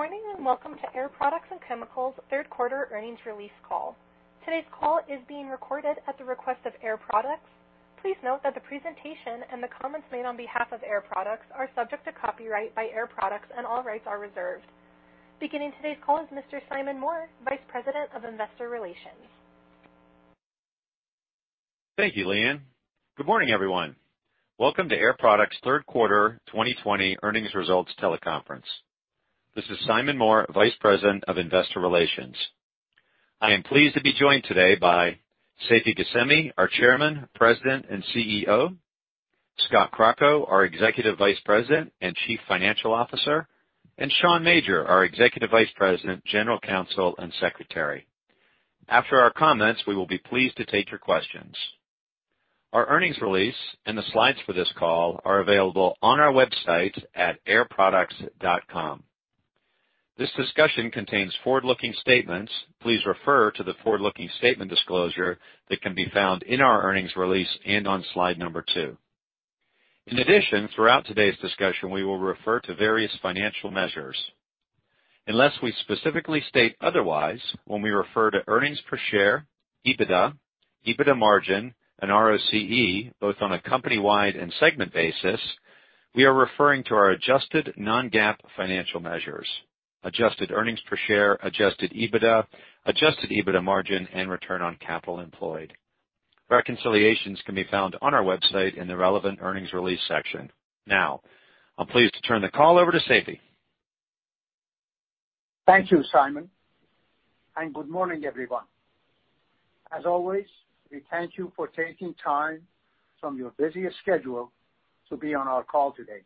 Good morning, and welcome to Air Products & Chemicals third quarter earnings release call. Today's call is being recorded at the request of Air Products. Please note that the presentation and the comments made on behalf of Air Products are subject to copyright by Air Products, and all rights are reserved. Beginning today's call is Mr. Simon Moore, Vice President of Investor Relations. Thank you, Leanne. Good morning, everyone. Welcome to Air Products' third quarter 2020 earnings results teleconference. This is Simon Moore, Vice President of Investor Relations. I am pleased to be joined today by Seifi Ghasemi, our Chairman, President, and CEO, Scott Crocco, our Executive Vice President and Chief Financial Officer, and Sean Major, our Executive Vice President, General Counsel, and Secretary. After our comments, we will be pleased to take your questions. Our earnings release and the slides for this call are available on our website at airproducts.com. This discussion contains forward-looking statements. Please refer to the forward-looking statement disclosure that can be found in our earnings release and on slide number two. In addition, throughout today's discussion, we will refer to various financial measures. Unless we specifically state otherwise, when we refer to earnings per share EBITDA, EBITDA margin, and ROCE, both on a company-wide and segment basis, we are referring to our adjusted non-GAAP financial measures, adjusted earnings per share, adjusted EBITDA, adjusted EBITDA margin, and return on capital employed. Reconciliations can be found on our website in the Relevant Earnings Release section. I'm pleased to turn the call over to Seifi. Thank you, Simon. Good morning, everyone. As always, we thank you for taking time from your busiest schedule to be on our call today.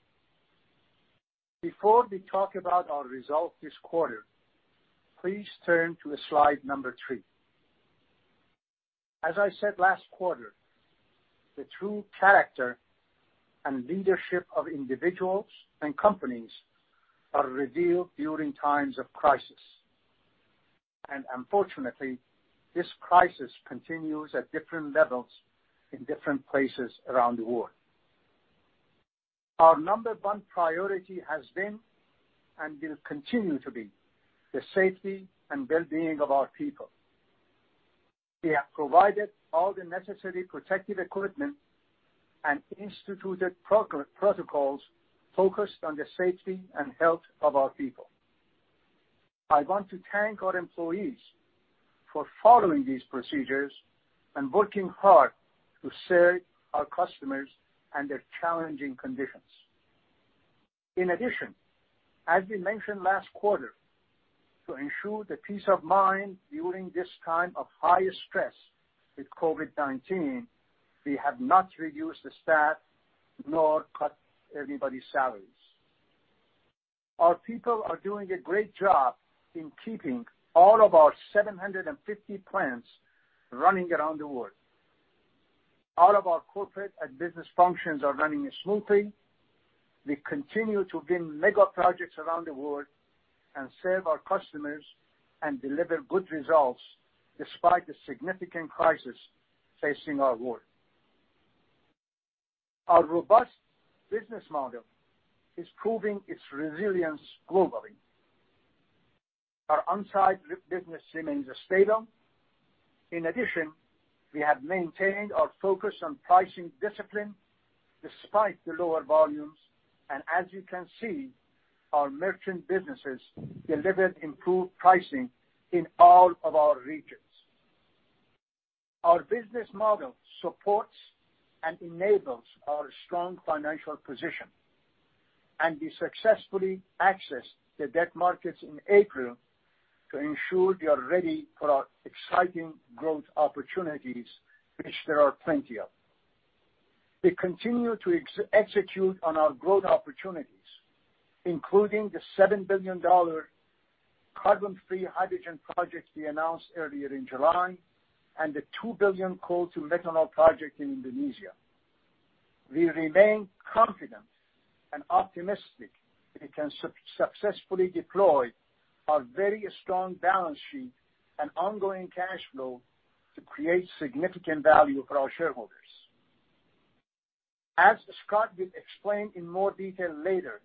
Before we talk about our results this quarter, please turn to slide number three. As I said last quarter, the true character and leadership of individuals and companies are revealed during times of crisis. Unfortunately, this crisis continues at different levels in different places around the world. Our number one priority has been, and will continue to be, the safety and well-being of our people. We have provided all the necessary protective equipment and instituted protocols focused on the safety and health of our people. I want to thank our employees for following these procedures and working hard to serve our customers under challenging conditions. In addition, as we mentioned last quarter, to ensure the peace of mind during this time of high stress with COVID-19, we have not reduced the staff nor cut anybody's salaries. Our people are doing a great job in keeping all of our 750 plants running around the world. All of our corporate and business functions are running smoothly. We continue to win mega projects around the world and serve our customers and deliver good results despite the significant crisis facing our world. Our robust business model is proving its resilience globally. Our onsite business remains stable. In addition, we have maintained our focus on pricing discipline despite the lower volumes. As you can see, our merchant businesses delivered improved pricing in all of our regions. Our business model supports and enables our strong financial position. We successfully accessed the debt markets in April to ensure we are ready for our exciting growth opportunities, which there are plenty of. We continue to execute on our growth opportunities, including the $7 billion carbon-free hydrogen project we announced earlier in July and the $2 billion coal to methanol project in Indonesia. We remain confident and optimistic we can successfully deploy our very strong balance sheet and ongoing cash flow to create significant value for our shareholders. As Scott will explain in more detail later,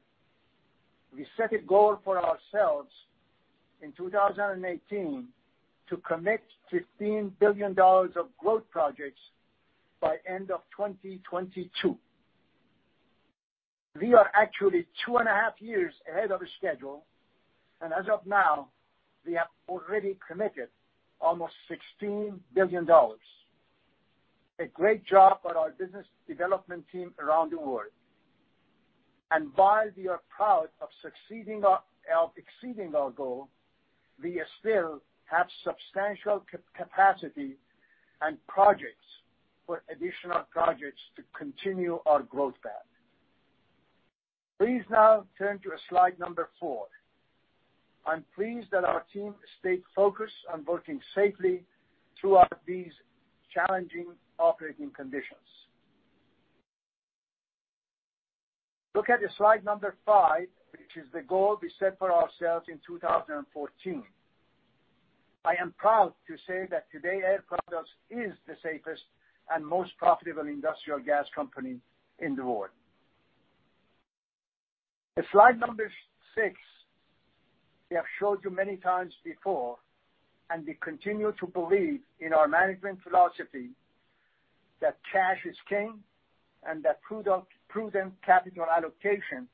we set a goal for ourselves in 2018 to commit $15 billion of growth projects by end of 2022. We are actually 2.5 years ahead of schedule, and as of now, we have already committed almost $16 billion. A great job for our business development team around the world. While we are proud of exceeding our goal, we still have substantial capacity and projects for additional projects to continue our growth path. Please now turn to slide number four. I'm pleased that our team stayed focused on working safely throughout these challenging operating conditions. Look at slide number five, which is the goal we set for ourselves in 2014. I am proud to say that today Air Products is the safest and most profitable industrial gas company in the world. Slide number six. We have showed you many times before, we continue to believe in our management philosophy that cash is king, and that prudent capital allocation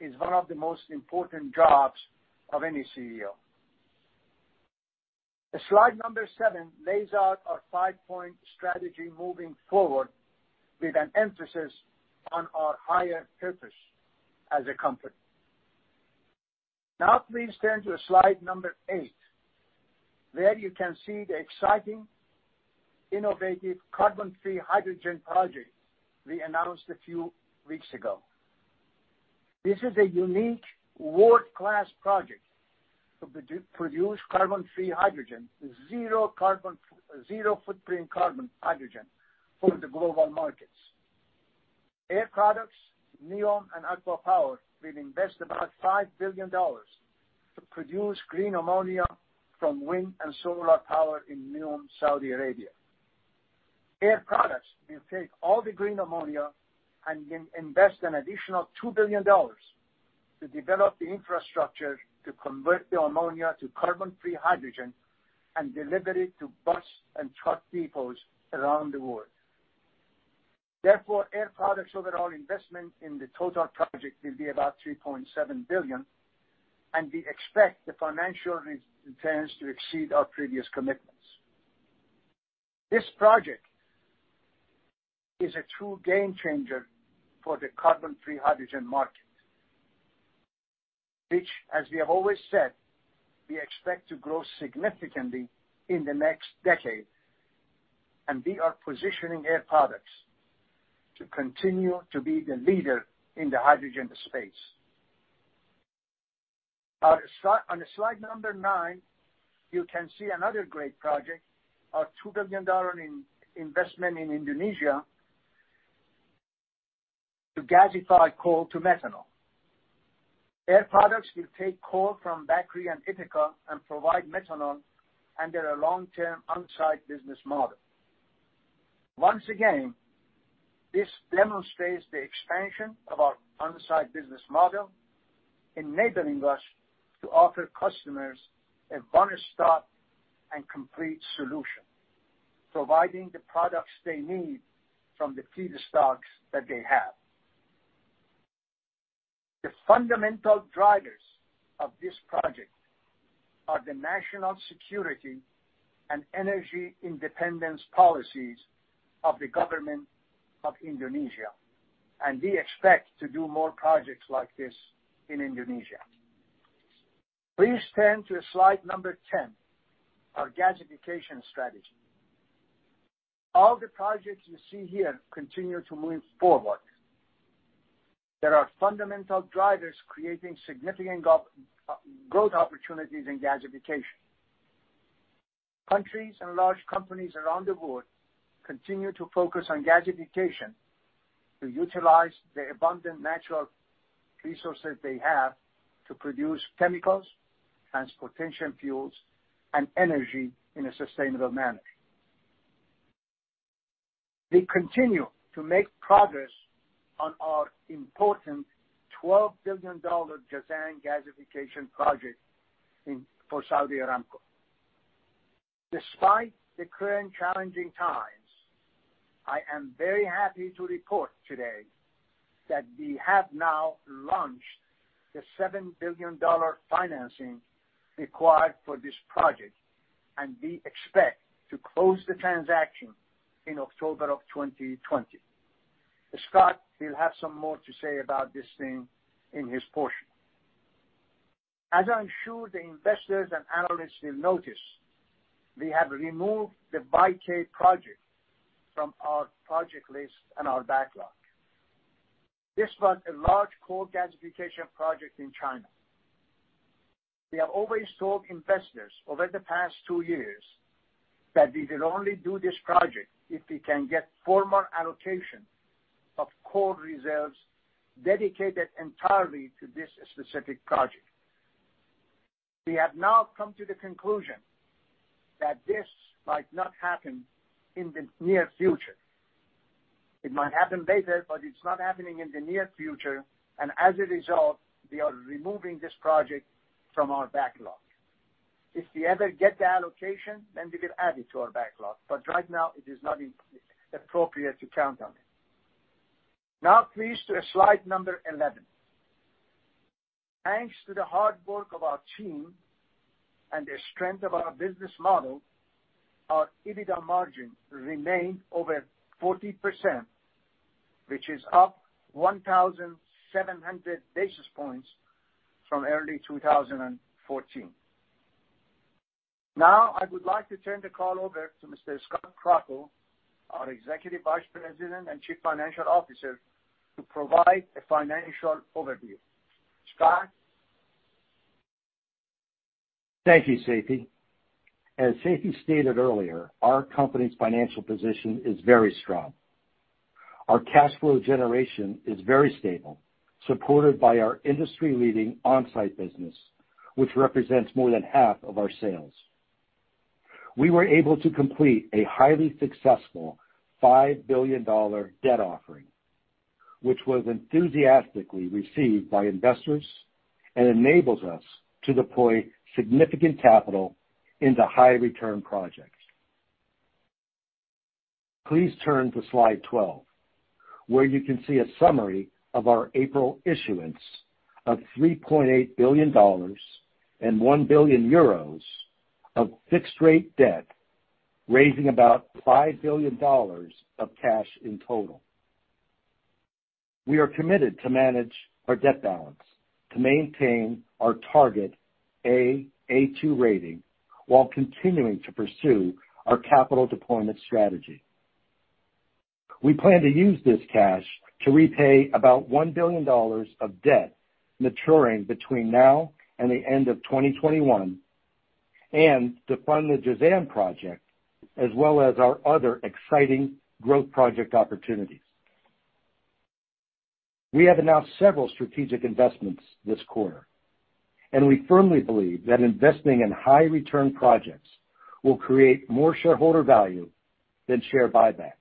is one of the most important jobs of any CEO. Slide number seven lays out our five-point strategy moving forward with an emphasis on our higher purpose as a company. Please turn to slide number eight. There you can see the exciting, innovative carbon-free hydrogen project we announced a few weeks ago. This is a unique world-class project to produce carbon-free hydrogen, zero footprint carbon hydrogen for the global markets. Air Products, NEOM, and ACWA Power will invest about $5 billion to produce green ammonia from wind and solar power in NEOM, Saudi Arabia. Air Products will take all the green ammonia and invest an additional $2 billion to develop the infrastructure to convert the ammonia to carbon-free hydrogen and deliver it to bus and truck depots around the world. Therefore, Air Products' overall investment in the total project will be about $3.7 billion, and we expect the financial returns to exceed our previous commitments. This project is a true game changer for the carbon-free hydrogen market, which as we have always said, we expect to grow significantly in the next decade, and we are positioning Air Products to continue to be the leader in the hydrogen space. On slide number nine, you can see another great project, our $2 billion investment in Indonesia to gasify coal to methanol. Air Products will take coal from Bakrie and Ithaca and provide methanol under a long-term on-site business model. Once again, this demonstrates the expansion of our on-site business model, enabling us to offer customers a one-stop and complete solution, providing the products they need from the feedstocks that they have. The fundamental drivers of this project are the national security and energy independence policies of the government of Indonesia, and we expect to do more projects like this in Indonesia. Please turn to slide number 10, our gasification strategy. All the projects you see here continue to move forward. There are fundamental drivers creating significant growth opportunities in gasification. Countries and large companies around the world continue to focus on gasification to utilize the abundant natural resources they have to produce chemicals, transportation fuels, and energy in a sustainable manner. We continue to make progress on our important $12 billion Jazan gasification project for Saudi Aramco. Despite the current challenging times, I am very happy to report today that we have now launched the $7 billion financing required for this project, and we expect to close the transaction in October of 2020. Scott will have some more to say about this thing in his portion. As I'm sure the investors and analysts will notice, we have removed the[YK] project from our project list and our backlog. This was a large coal gasification project in China. We have always told investors over the past two years that we will only do this project if we can get formal allocation of coal reserves dedicated entirely to this specific project. We have now come to the conclusion that this might not happen in the near future. It might happen later, it's not happening in the near future. As a result, we are removing this project from our backlog. If we ever get the allocation, we will add it to our backlog. Right now, it is not appropriate to count on it. Please to slide number 11. Thanks to the hard work of our team and the strength of our business model, our EBITDA margin remained over 40%, which is up 1,700 basis points from early 2014. Now, I would like to turn the call over to Mr. Scott Crocco, our Executive Vice President and Chief Financial Officer, to provide a financial overview. Scott? Thank you, Seifi. As Seifi stated earlier, our company's financial position is very strong. Our cash flow generation is very stable, supported by our industry-leading on-site business, which represents more than half of our sales. We were able to complete a highly successful $5 billion debt offering, which was enthusiastically received by investors and enables us to deploy significant capital into high-return projects. Please turn to slide 12, where you can see a summary of our April issuance of $3.8 billion and 1 billion euros of fixed-rate debt, raising about $5 billion of cash in total. We are committed to manage our debt balance to maintain our target A/A2 rating while continuing to pursue our capital deployment strategy. We plan to use this cash to repay about $1 billion of debt maturing between now and the end of 2021, to fund the Jazan project, as well as our other exciting growth project opportunities. We have announced several strategic investments this quarter, and we firmly believe that investing in high-return projects will create more shareholder value than share buybacks.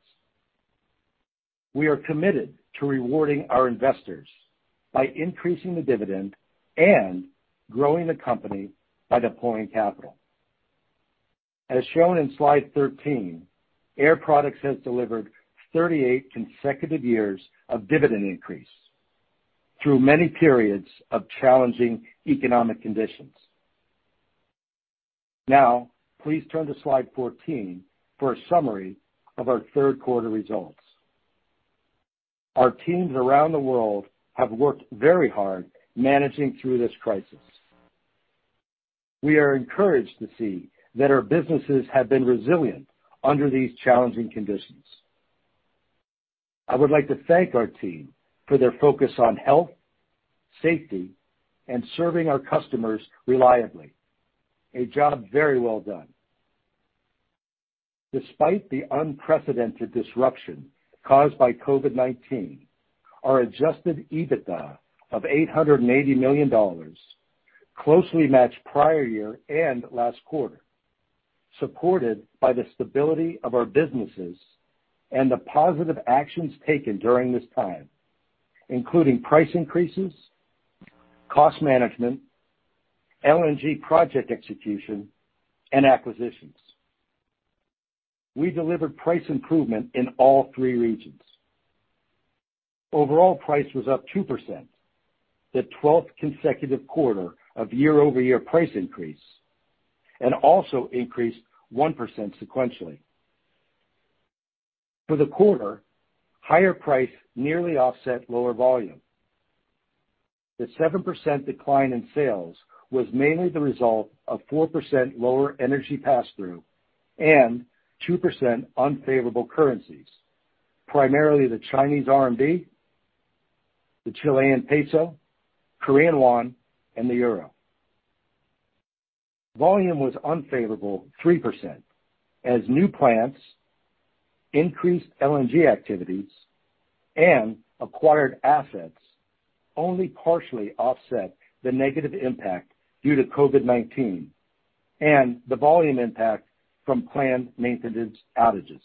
We are committed to rewarding our investors by increasing the dividend and growing the company by deploying capital. As shown in slide 13, Air Products has delivered 38 consecutive years of dividend increase through many periods of challenging economic conditions. Please turn to slide 14 for a summary of our third quarter results. Our teams around the world have worked very hard managing through this crisis. We are encouraged to see that our businesses have been resilient under these challenging conditions. I would like to thank our team for their focus on health, safety, and serving our customers reliably. A job very well done. Despite the unprecedented disruption caused by COVID-19, our adjusted EBITDA of $880 million closely matched prior year and last quarter, supported by the stability of our businesses and the positive actions taken during this time, including price increases, cost management, LNG project execution, and acquisitions. We delivered price improvement in all three regions. Overall price was up 2%, the 12th consecutive quarter of year-over-year price increase, and also increased 1% sequentially. For the quarter, higher price nearly offset lower volume. The 7% decline in sales was mainly the result of 4% lower energy passthrough and 2% unfavorable currencies, primarily the Chinese RMB, the Chilean peso, Korean won, and the euro. Volume was unfavorable 3%, as new plants increased LNG activities, and acquired assets only partially offset the negative impact due to COVID-19, and the volume impact from planned maintenance outages.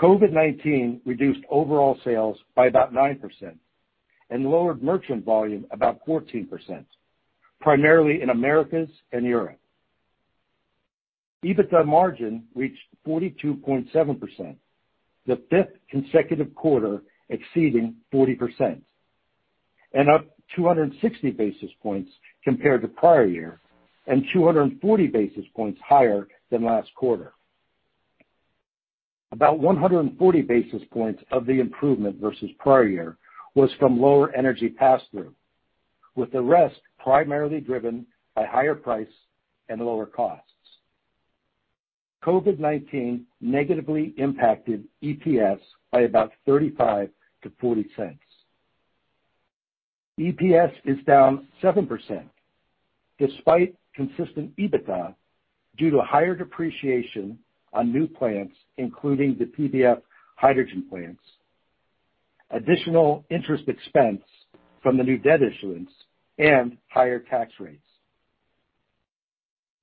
COVID-19 reduced overall sales by about 9% and lowered merchant volume about 14%, primarily in Americas and Europe. EBITDA margin reached 42.7%, the fifth consecutive quarter exceeding 40%, and up 260 basis points compared to prior year, and 240 basis points higher than last quarter. About 140 basis points of the improvement versus prior year was from lower energy passthrough, with the rest primarily driven by higher price and lower costs. COVID-19 negatively impacted EPS by about $0.35-$0.40. EPS is down 7%, despite consistent EBITDA, due to higher depreciation on new plants, including the PBF hydrogen plants, additional interest expense from the new debt issuance, and higher tax rates.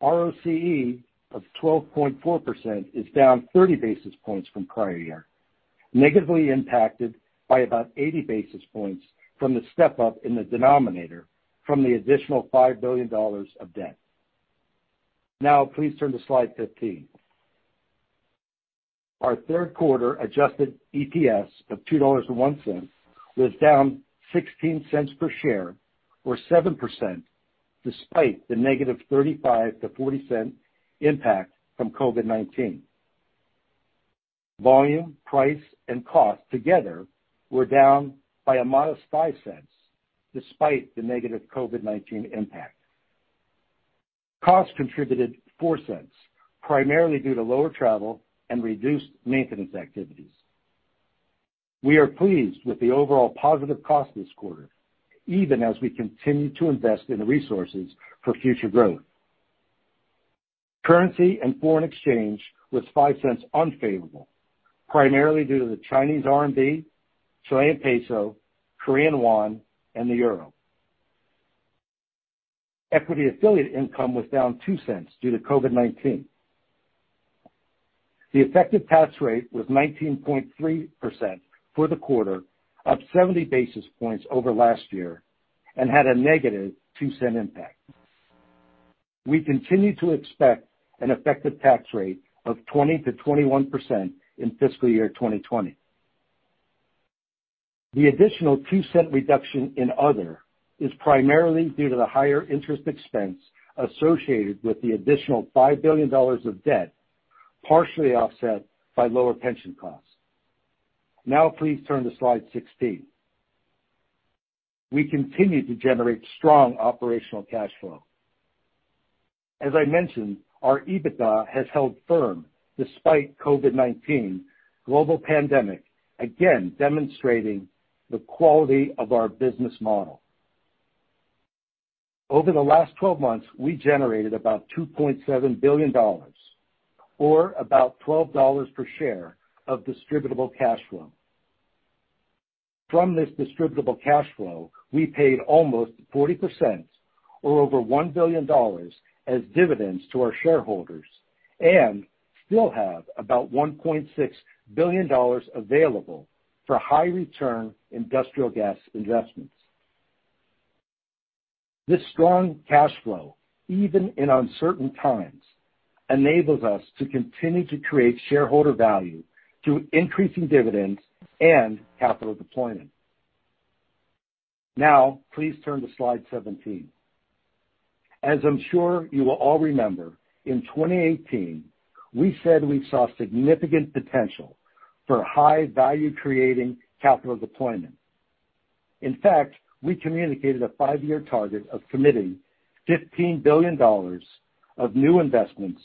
ROCE of 12.4% is down 30 basis points from prior year, negatively impacted by about 80 basis points from the step-up in the denominator from the additional $5 billion of debt. Please turn to slide 15. Our third quarter adjusted EPS of $2.01 was down $0.16 per share or 7%, despite the negative $0.35-$0.40 impact from COVID-19. Volume, price, and cost together were down by a modest $0.05 despite the negative COVID-19 impact. Cost contributed $0.04, primarily due to lower travel and reduced maintenance activities. We are pleased with the overall positive cost this quarter, even as we continue to invest in the resources for future growth. Currency and foreign exchange was $0.05 unfavorable, primarily due to the Chinese RMB, Chilean peso, Korean won, and the euro. Equity affiliate income was down $0.02 due to COVID-19. The effective tax rate was 19.3% for the quarter, up 70 basis points over last year, and had a negative $0.02 impact. We continue to expect an effective tax rate of 20%-21% in fiscal year 2020. The additional $0.02 reduction in other is primarily due to the higher interest expense associated with the additional $5 billion of debt, partially offset by lower pension costs. Please turn to slide 16. We continue to generate strong operational cash flow. As I mentioned, our EBITDA has held firm despite COVID-19 global pandemic, again demonstrating the quality of our business model. Over the last 12 months, we generated about $2.7 billion, or about $12 per share of distributable cash flow. From this distributable cash flow, we paid almost 40%, or over $1 billion, as dividends to our shareholders, and still have about $1.6 billion available for high return industrial gas investments. This strong cash flow, even in uncertain times, enables us to continue to create shareholder value through increasing dividends and capital deployment. Please turn to slide 17. As I'm sure you will all remember, in 2018, we said we saw significant potential for high value-creating capital deployment. In fact, we communicated a five-year target of committing $15 billion of new investments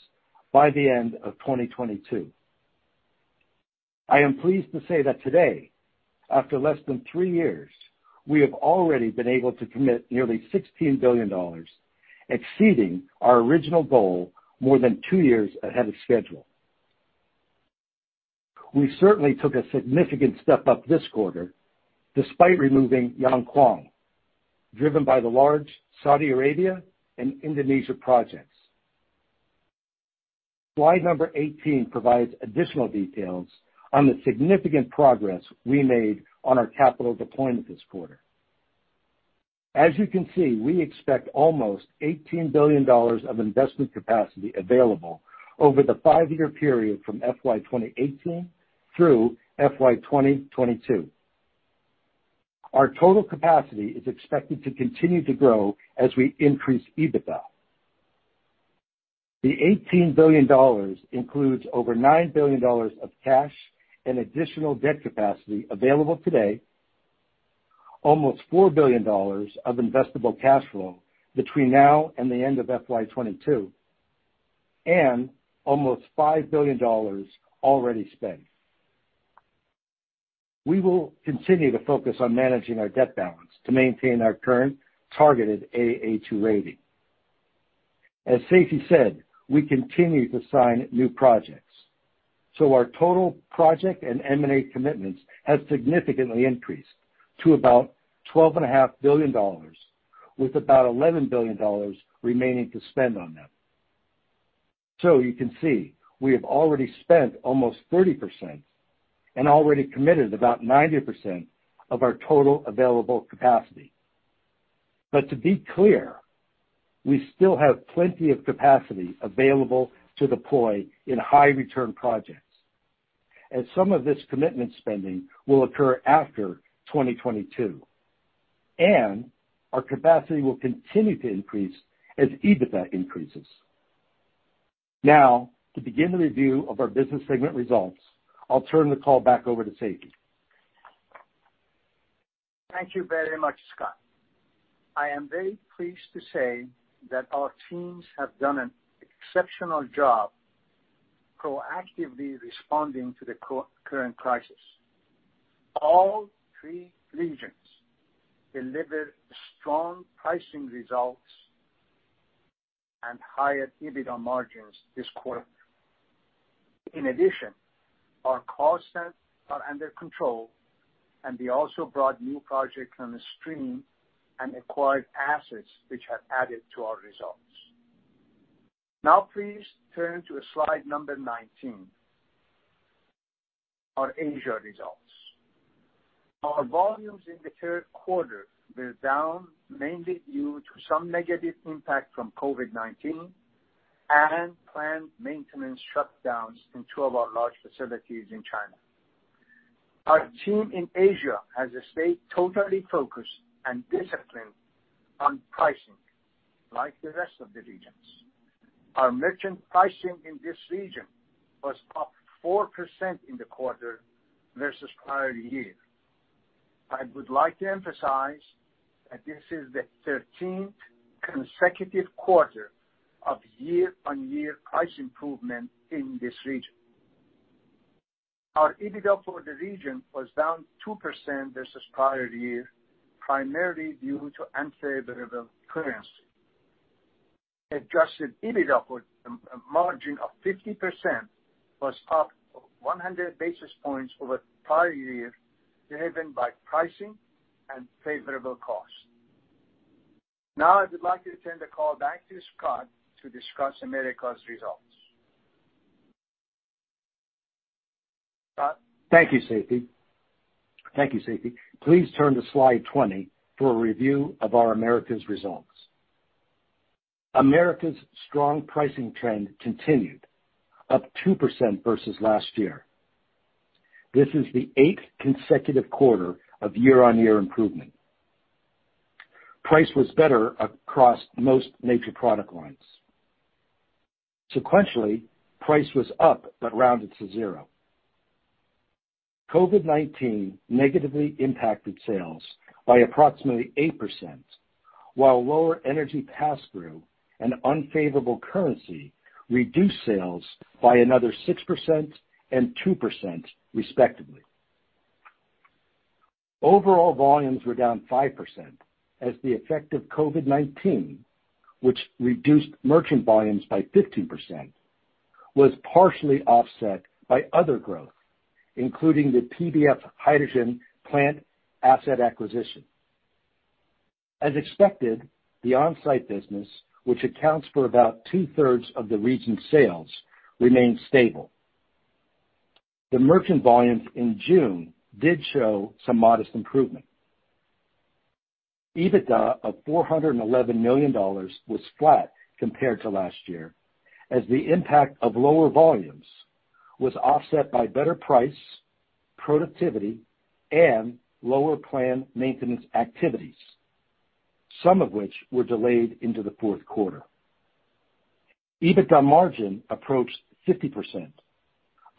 by the end of 2022. I am pleased to say that today, after less than three years, we have already been able to commit nearly $16 billion, exceeding our original goal more than two years ahead of schedule. We certainly took a significant step up this quarter despite removing Yankuang, driven by the large Saudi Arabia and Indonesia projects. Slide number 18 provides additional details on the significant progress we made on our capital deployment this quarter. As you can see, we expect almost $18 billion of investment capacity available over the five-year period from FY 2018 through FY 2022. Our total capacity is expected to continue to grow as we increase EBITDA. The $18 billion includes over $9 billion of cash and additional debt capacity available today, almost $4 billion of investable cash flow between now and the end of FY 2022, and almost $5 billion already spent. We will continue to focus on managing our debt balance to maintain our current targeted A/A2 rating. As Seifi said, we continue to sign new projects. Our total project and M&A commitments has significantly increased to about $12.5 billion, with about $11 billion remaining to spend on them. You can see, we have already spent almost 30% and already committed about 90% of our total available capacity. To be clear, we still have plenty of capacity available to deploy in high return projects. Some of this commitment spending will occur after 2022, and our capacity will continue to increase as EBITDA increases. To begin the review of our business segment results, I'll turn the call back over to Seifi. Thank you very much, Scott. I am very pleased to say that our teams have done an exceptional job proactively responding to the current crisis. All three regions delivered strong pricing results and higher EBITDA margins this quarter. In addition, our costs are under control, we also brought new projects onstream and acquired assets which have added to our results. Now please turn to slide number 19, our Asia results. Our volumes in the third quarter were down, mainly due to some negative impact from COVID-19 and planned maintenance shutdowns in two of our large facilities in China. Our team in Asia has stayed totally focused and disciplined on pricing, like the rest of the regions. Our merchant pricing in this region was up 4% in the quarter versus prior year. I would like to emphasize that this is the 13th consecutive quarter of year-on-year price improvement in this region. Our EBITDA for the region was down 2% versus prior year, primarily due to unfavorable currency. Adjusted EBITDA with a margin of 50% was up 100 basis points over prior year, driven by pricing and favorable cost. I would like to turn the call back to Scott to discuss America's results. Scott? Thank you, Seifi. Please turn to slide 20 for a review of our Americas results. Americas strong pricing trend continued, up 2% versus last year. This is the eighth consecutive quarter of year-on-year improvement. Price was better across most major product lines. Sequentially, price was up but rounded to zero. COVID-19 negatively impacted sales by approximately 8%, while lower energy pass-through and unfavorable currency reduced sales by another 6% and 2%, respectively. Overall volumes were down 5%, as the effect of COVID-19, which reduced merchant volumes by 15%, was partially offset by other growth, including the PBF hydrogen plant asset acquisition. As expected, the on-site business, which accounts for about two-thirds of the region's sales, remained stable. The merchant volumes in June did show some modest improvement. EBITDA of $411 million was flat compared to last year, as the impact of lower volumes was offset by better price, productivity, and lower plan maintenance activities, some of which were delayed into the fourth quarter. EBITDA margin approached 50%,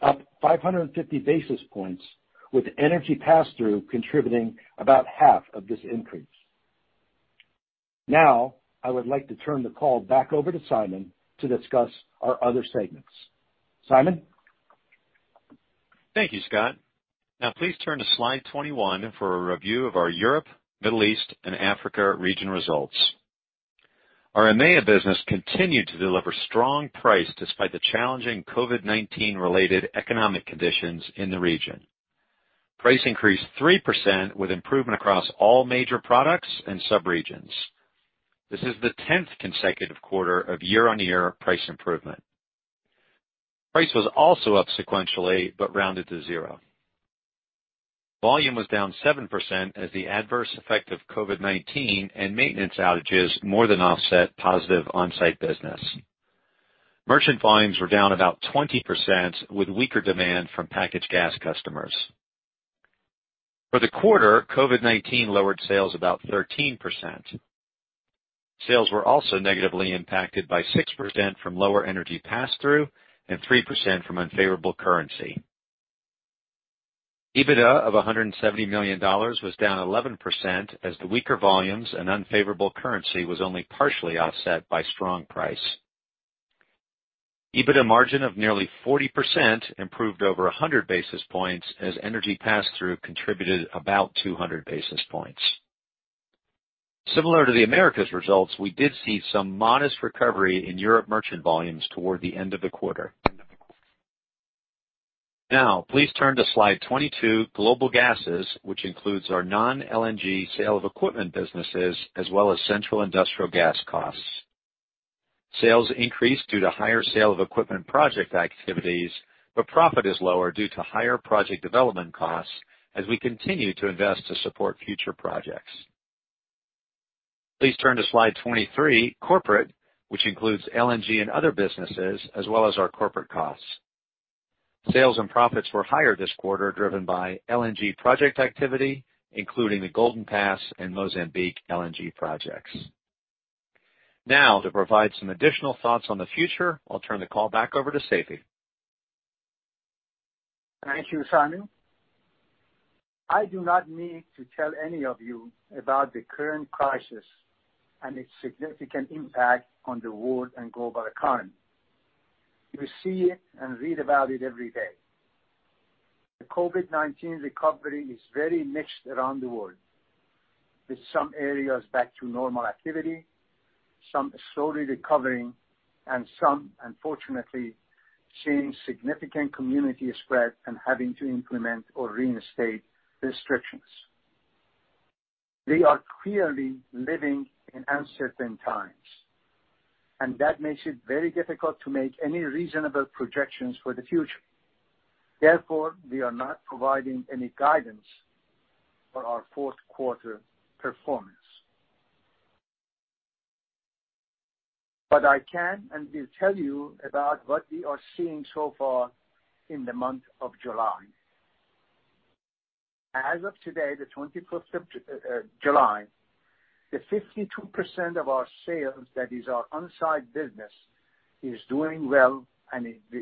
up 550 basis points, with energy pass-through contributing about half of this increase. Now, I would like to turn the call back over to Simon to discuss our other segments. Simon? Thank you, Scott. Please turn to slide 21 for a review of our Europe, Middle East, and Africa region results. Our EMEA business continued to deliver strong price despite the challenging COVID-19 related economic conditions in the region. Price increased 3% with improvement across all major products and subregions. This is the 10th consecutive quarter of year-on-year price improvement. Price was also up sequentially, but rounded to zero. Volume was down 7% as the adverse effect of COVID-19 and maintenance outages more than offset positive on-site business. Merchant volumes were down about 20% with weaker demand from packaged gas customers. For the quarter, COVID-19 lowered sales about 13%. Sales were also negatively impacted by 6% from lower energy pass-through and 3% from unfavorable currency. EBITDA of $170 million was down 11% as the weaker volumes and unfavorable currency was only partially offset by strong price. EBITDA margin of nearly 40% improved over 100 basis points as energy pass-through contributed about 200 basis points. Similar to the Americas results, we did see some modest recovery in Europe merchant volumes toward the end of the quarter. Now, please turn to slide 22, Global Gases, which includes our non-LNG sale of equipment businesses as well as central industrial gas costs. Sales increased due to higher sale of equipment project activities, but profit is lower due to higher project development costs as we continue to invest to support future projects. Please turn to slide 23, Corporate, which includes LNG and other businesses, as well as our corporate costs. Sales and profits were higher this quarter, driven by LNG project activity, including the Golden Pass and Mozambique LNG projects. Now, to provide some additional thoughts on the future, I'll turn the call back over to Seifi. Thank you, Simon. I do not need to tell any of you about the current crisis and its significant impact on the world and global economy. You see it and read about it every day. The COVID-19 recovery is very mixed around the world, with some areas back to normal activity, some slowly recovering, and some, unfortunately, seeing significant community spread and having to implement or reinstate restrictions. That makes it very difficult to make any reasonable projections for the future. We are not providing any guidance for our fourth quarter performance. I can and will tell you about what we are seeing so far in the month of July. As of today, the 21st of July 2020, the 52% of our sales, that is our on-site business, is doing well.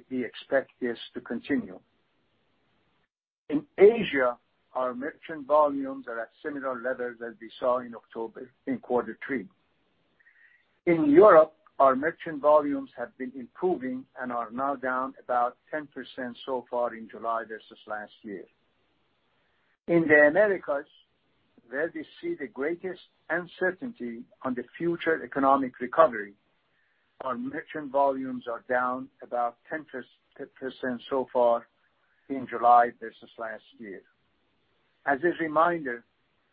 We expect this to continue. In Asia, our merchant volumes are at similar levels as we saw in October in quarter three. In Europe, our merchant volumes have been improving and are now down about 10% so far in July versus last year. In the Americas, where we see the greatest uncertainty on the future economic recovery, our merchant volumes are down about 10% so far in July versus last year. As a reminder,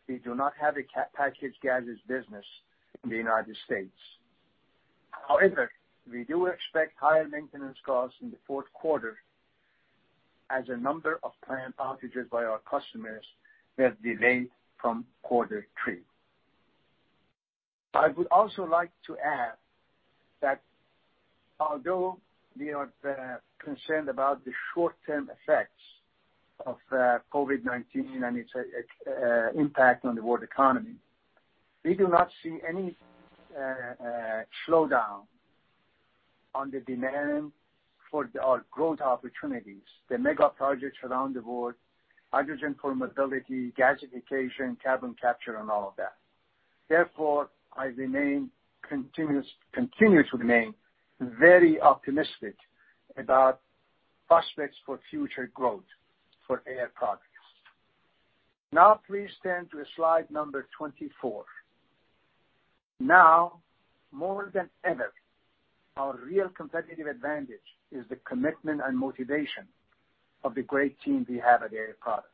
we do not have a packaged gases business in the U.S. We do expect higher maintenance costs in the fourth quarter as a number of plant outages by our customers were delayed from quarter three. I would also like to add that although we are concerned about the short-term effects of COVID-19 and its impact on the world economy, we do not see any slowdown on the demand for our growth opportunities, the mega projects around the world, hydrogen for mobility, gasification, carbon capture, and all of that. Therefore, I continue to remain very optimistic about prospects for future growth for Air Products. Now please turn to slide number 24. Now more than ever, our real competitive advantage is the commitment and motivation of the great team we have at Air Products.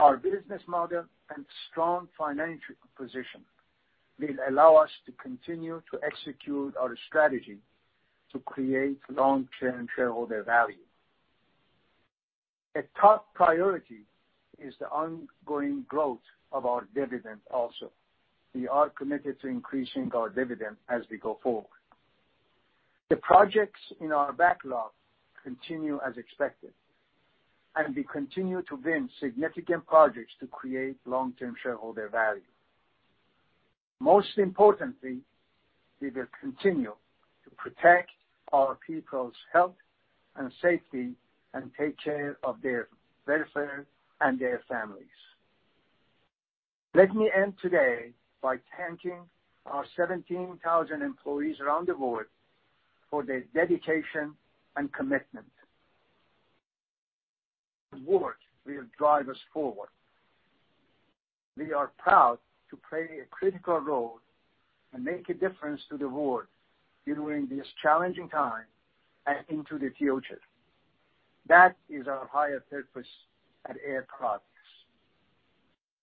Our business model and strong financial position will allow us to continue to execute our strategy to create long-term shareholder value. A top priority is the ongoing growth of our dividend also. We are committed to increasing our dividend as we go forward. The projects in our backlog continue as expected, and we continue to win significant projects to create long-term shareholder value. Most importantly, we will continue to protect our people's health and safety and take care of their welfare and their families. Let me end today by thanking our 17,000 employees around the world for their dedication and commitment. The world will drive us forward. We are proud to play a critical role and make a difference to the world during this challenging time and into the future. That is our higher purpose at Air Products.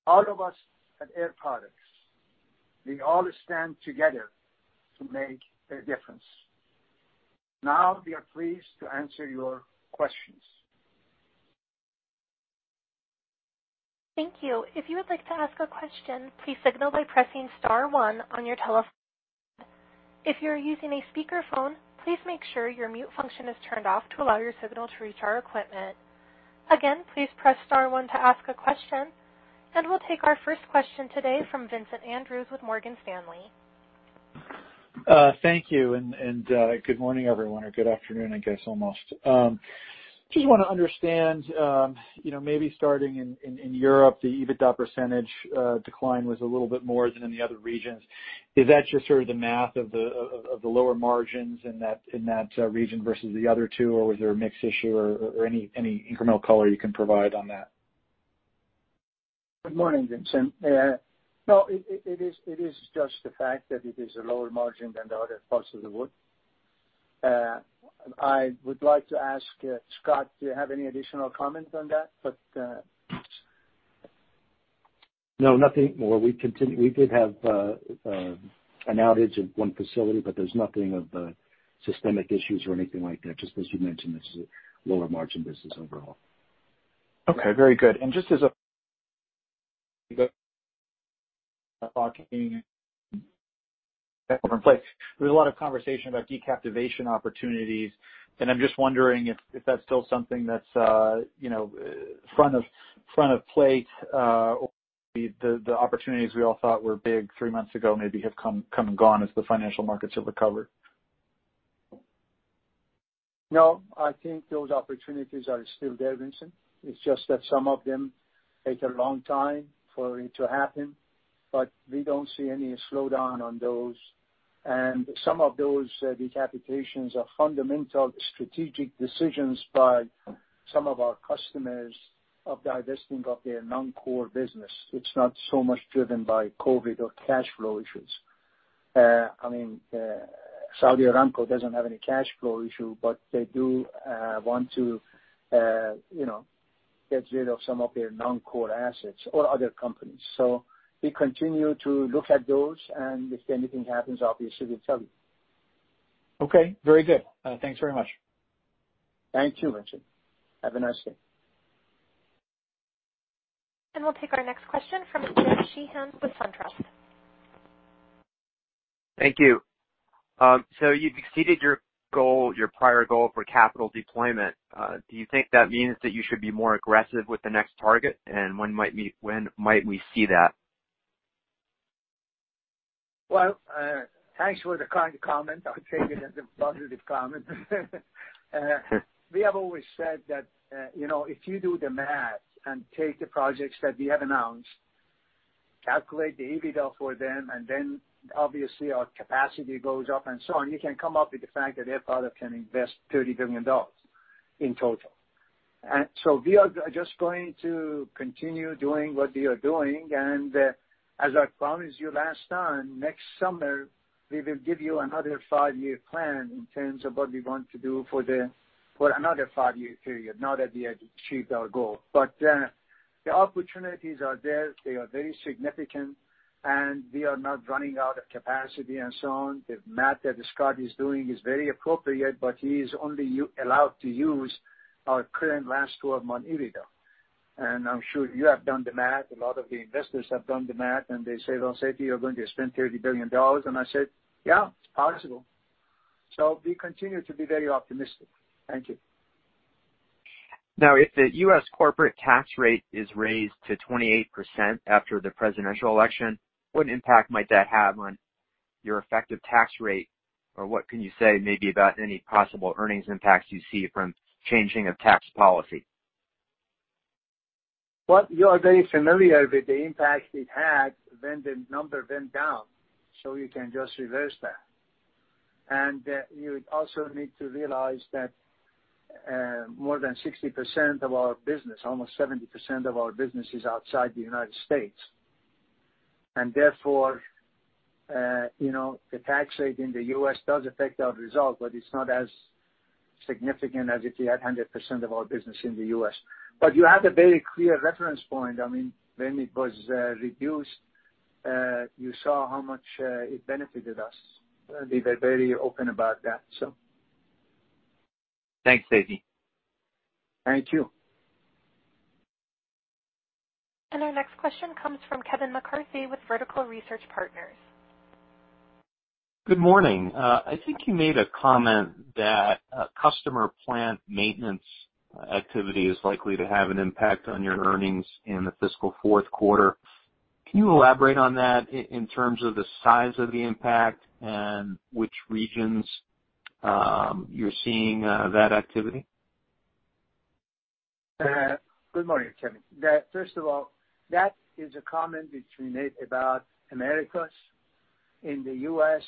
All of us at Air Products, we all stand together to make a difference. We are pleased to answer your questions. Thank you. If you would like to ask a question, please signal by pressing star one on your telephone. If you are using a speakerphone, please make sure your mute function is turned off to allow your signal to reach our equipment. Again, please press star one to ask a question. We'll take our first question today from Vincent Andrews with Morgan Stanley. Thank you. Good morning, everyone, or good afternoon, I guess almost. Just want to understand, maybe starting in Europe, the EBITDA percentage decline was a little bit more than in the other regions. Is that just sort of the math of the lower margins in that region versus the other two, or was there a mix issue or any incremental color you can provide on that? Good morning, Vincent. No, it is just the fact that it is a lower margin than the other parts of the world. I would like to ask Scott, do you have any additional comments on that? No, nothing more. We did have an outage of one facility, but there's nothing of systemic issues or anything like that. As you mentioned, this is a lower margin business overall. Okay, very good. Just as there's a lot of conversation about de-captivation opportunities, I'm just wondering if that's still something that's front of plate or the opportunities we all thought were big three months ago maybe have come and gone as the financial markets have recovered. No, I think those opportunities are still there, Vincent. It's just that some of them take a long time for it to happen, but we don't see any slowdown on those. Some of those de-captivations are fundamental strategic decisions by some of our customers of divesting of their non-core business. It's not so much driven by COVID-19 or cash flow issues. Saudi Aramco doesn't have any cash flow issue, but they do want to get rid of some of their non-core assets or other companies. We continue to look at those, and if anything happens, obviously, we'll tell you. Okay, very good. Thanks very much. Thank you, Vincent. Have a nice day. We'll take our next question from James Sheehan with SunTrust. Thank you. You've exceeded your prior goal for capital deployment. Do you think that means that you should be more aggressive with the next target? When might we see that? Well, thanks for the kind comment. I'll take it as a positive comment. We have always said that if you do the math and take the projects that we have announced, calculate the EBITDA for them, and then obviously our capacity goes up and so on. You can come up with the fact that Air Products can invest $30 billion in total. We are just going to continue doing what we are doing. As I promised you last time, next summer, we will give you another five-year plan in terms of what we want to do for another five-year period now that we have achieved our goal. The opportunities are there, they are very significant, and we are not running out of capacity and so on. The math that Scott is doing is very appropriate, but he is only allowed to use our current last 12-month EBITDA. I'm sure you have done the math, a lot of the investors have done the math, they say, "Well, Seifi, you're going to spend $30 billion?" I said, "Yeah, it's possible." We continue to be very optimistic. Thank you. Now, if the U.S. corporate tax rate is raised to 28% after the presidential election, what impact might that have on your effective tax rate? Or what can you say maybe about any possible earnings impacts you see from changing of tax policy? Well, you are very familiar with the impact it had when the number went down, so you can just reverse that. You also need to realize that more than 60% of our business, almost 70% of our business, is outside the United States, therefore, the tax rate in the U.S. does affect our result, but it's not as significant as if we had 100% of our business in the U.S. You have a very clear reference point. When it was reduced, you saw how much it benefited us. We were very open about that. Thanks, Seifi. Thank you. Our next question comes from Kevin McCarthy with Vertical Research Partners. Good morning. I think you made a comment that customer plant maintenance activity is likely to have an impact on your earnings in the fiscal fourth quarter. Can you elaborate on that in terms of the size of the impact and which regions you're seeing that activity? Good morning, Kevin. First of all, that is a comment we've made about Americas. In the U.S.,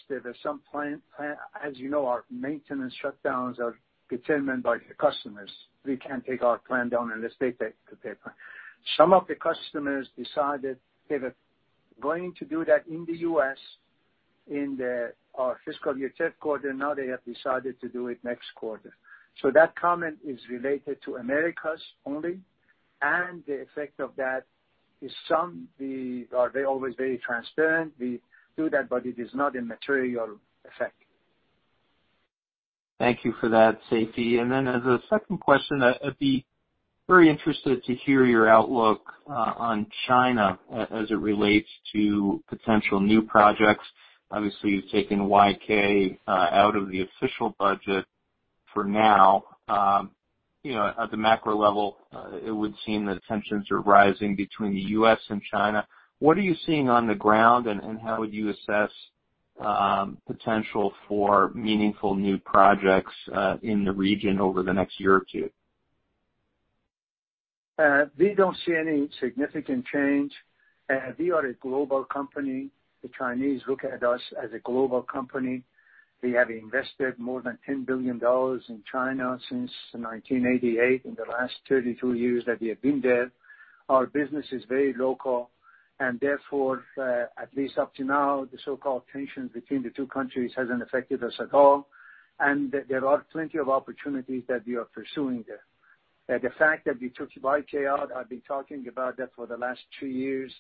as you know, our maintenance shutdowns are determined by the customers. We can't take our plant down unless they take the plant. Some of the customers decided they were going to do that in the U.S. in our fiscal year third quarter. Now they have decided to do it next quarter. That comment is related to Americas only, and the effect of that is some. We are always very transparent. We do that, but it is not a material effect. Thank you for that, Seifi. As a second question, I'd be very interested to hear your outlook on China as it relates to potential new projects. Obviously, you've taken YK out of the official budget for now. At the macro level, it would seem that tensions are rising between the U.S. and China. What are you seeing on the ground, and how would you assess potential for meaningful new projects in the region over the next year or two? We don't see any significant change. We are a global company. The Chinese look at us as a global company. We have invested more than $10 billion in China since 1988, in the last 32 years that we have been there. Our business is very local, and therefore, at least up to now, the so-called tensions between the two countries hasn't affected us at all, and there are plenty of opportunities that we are pursuing there. The fact that we took YK out, I've been talking about that for the last two years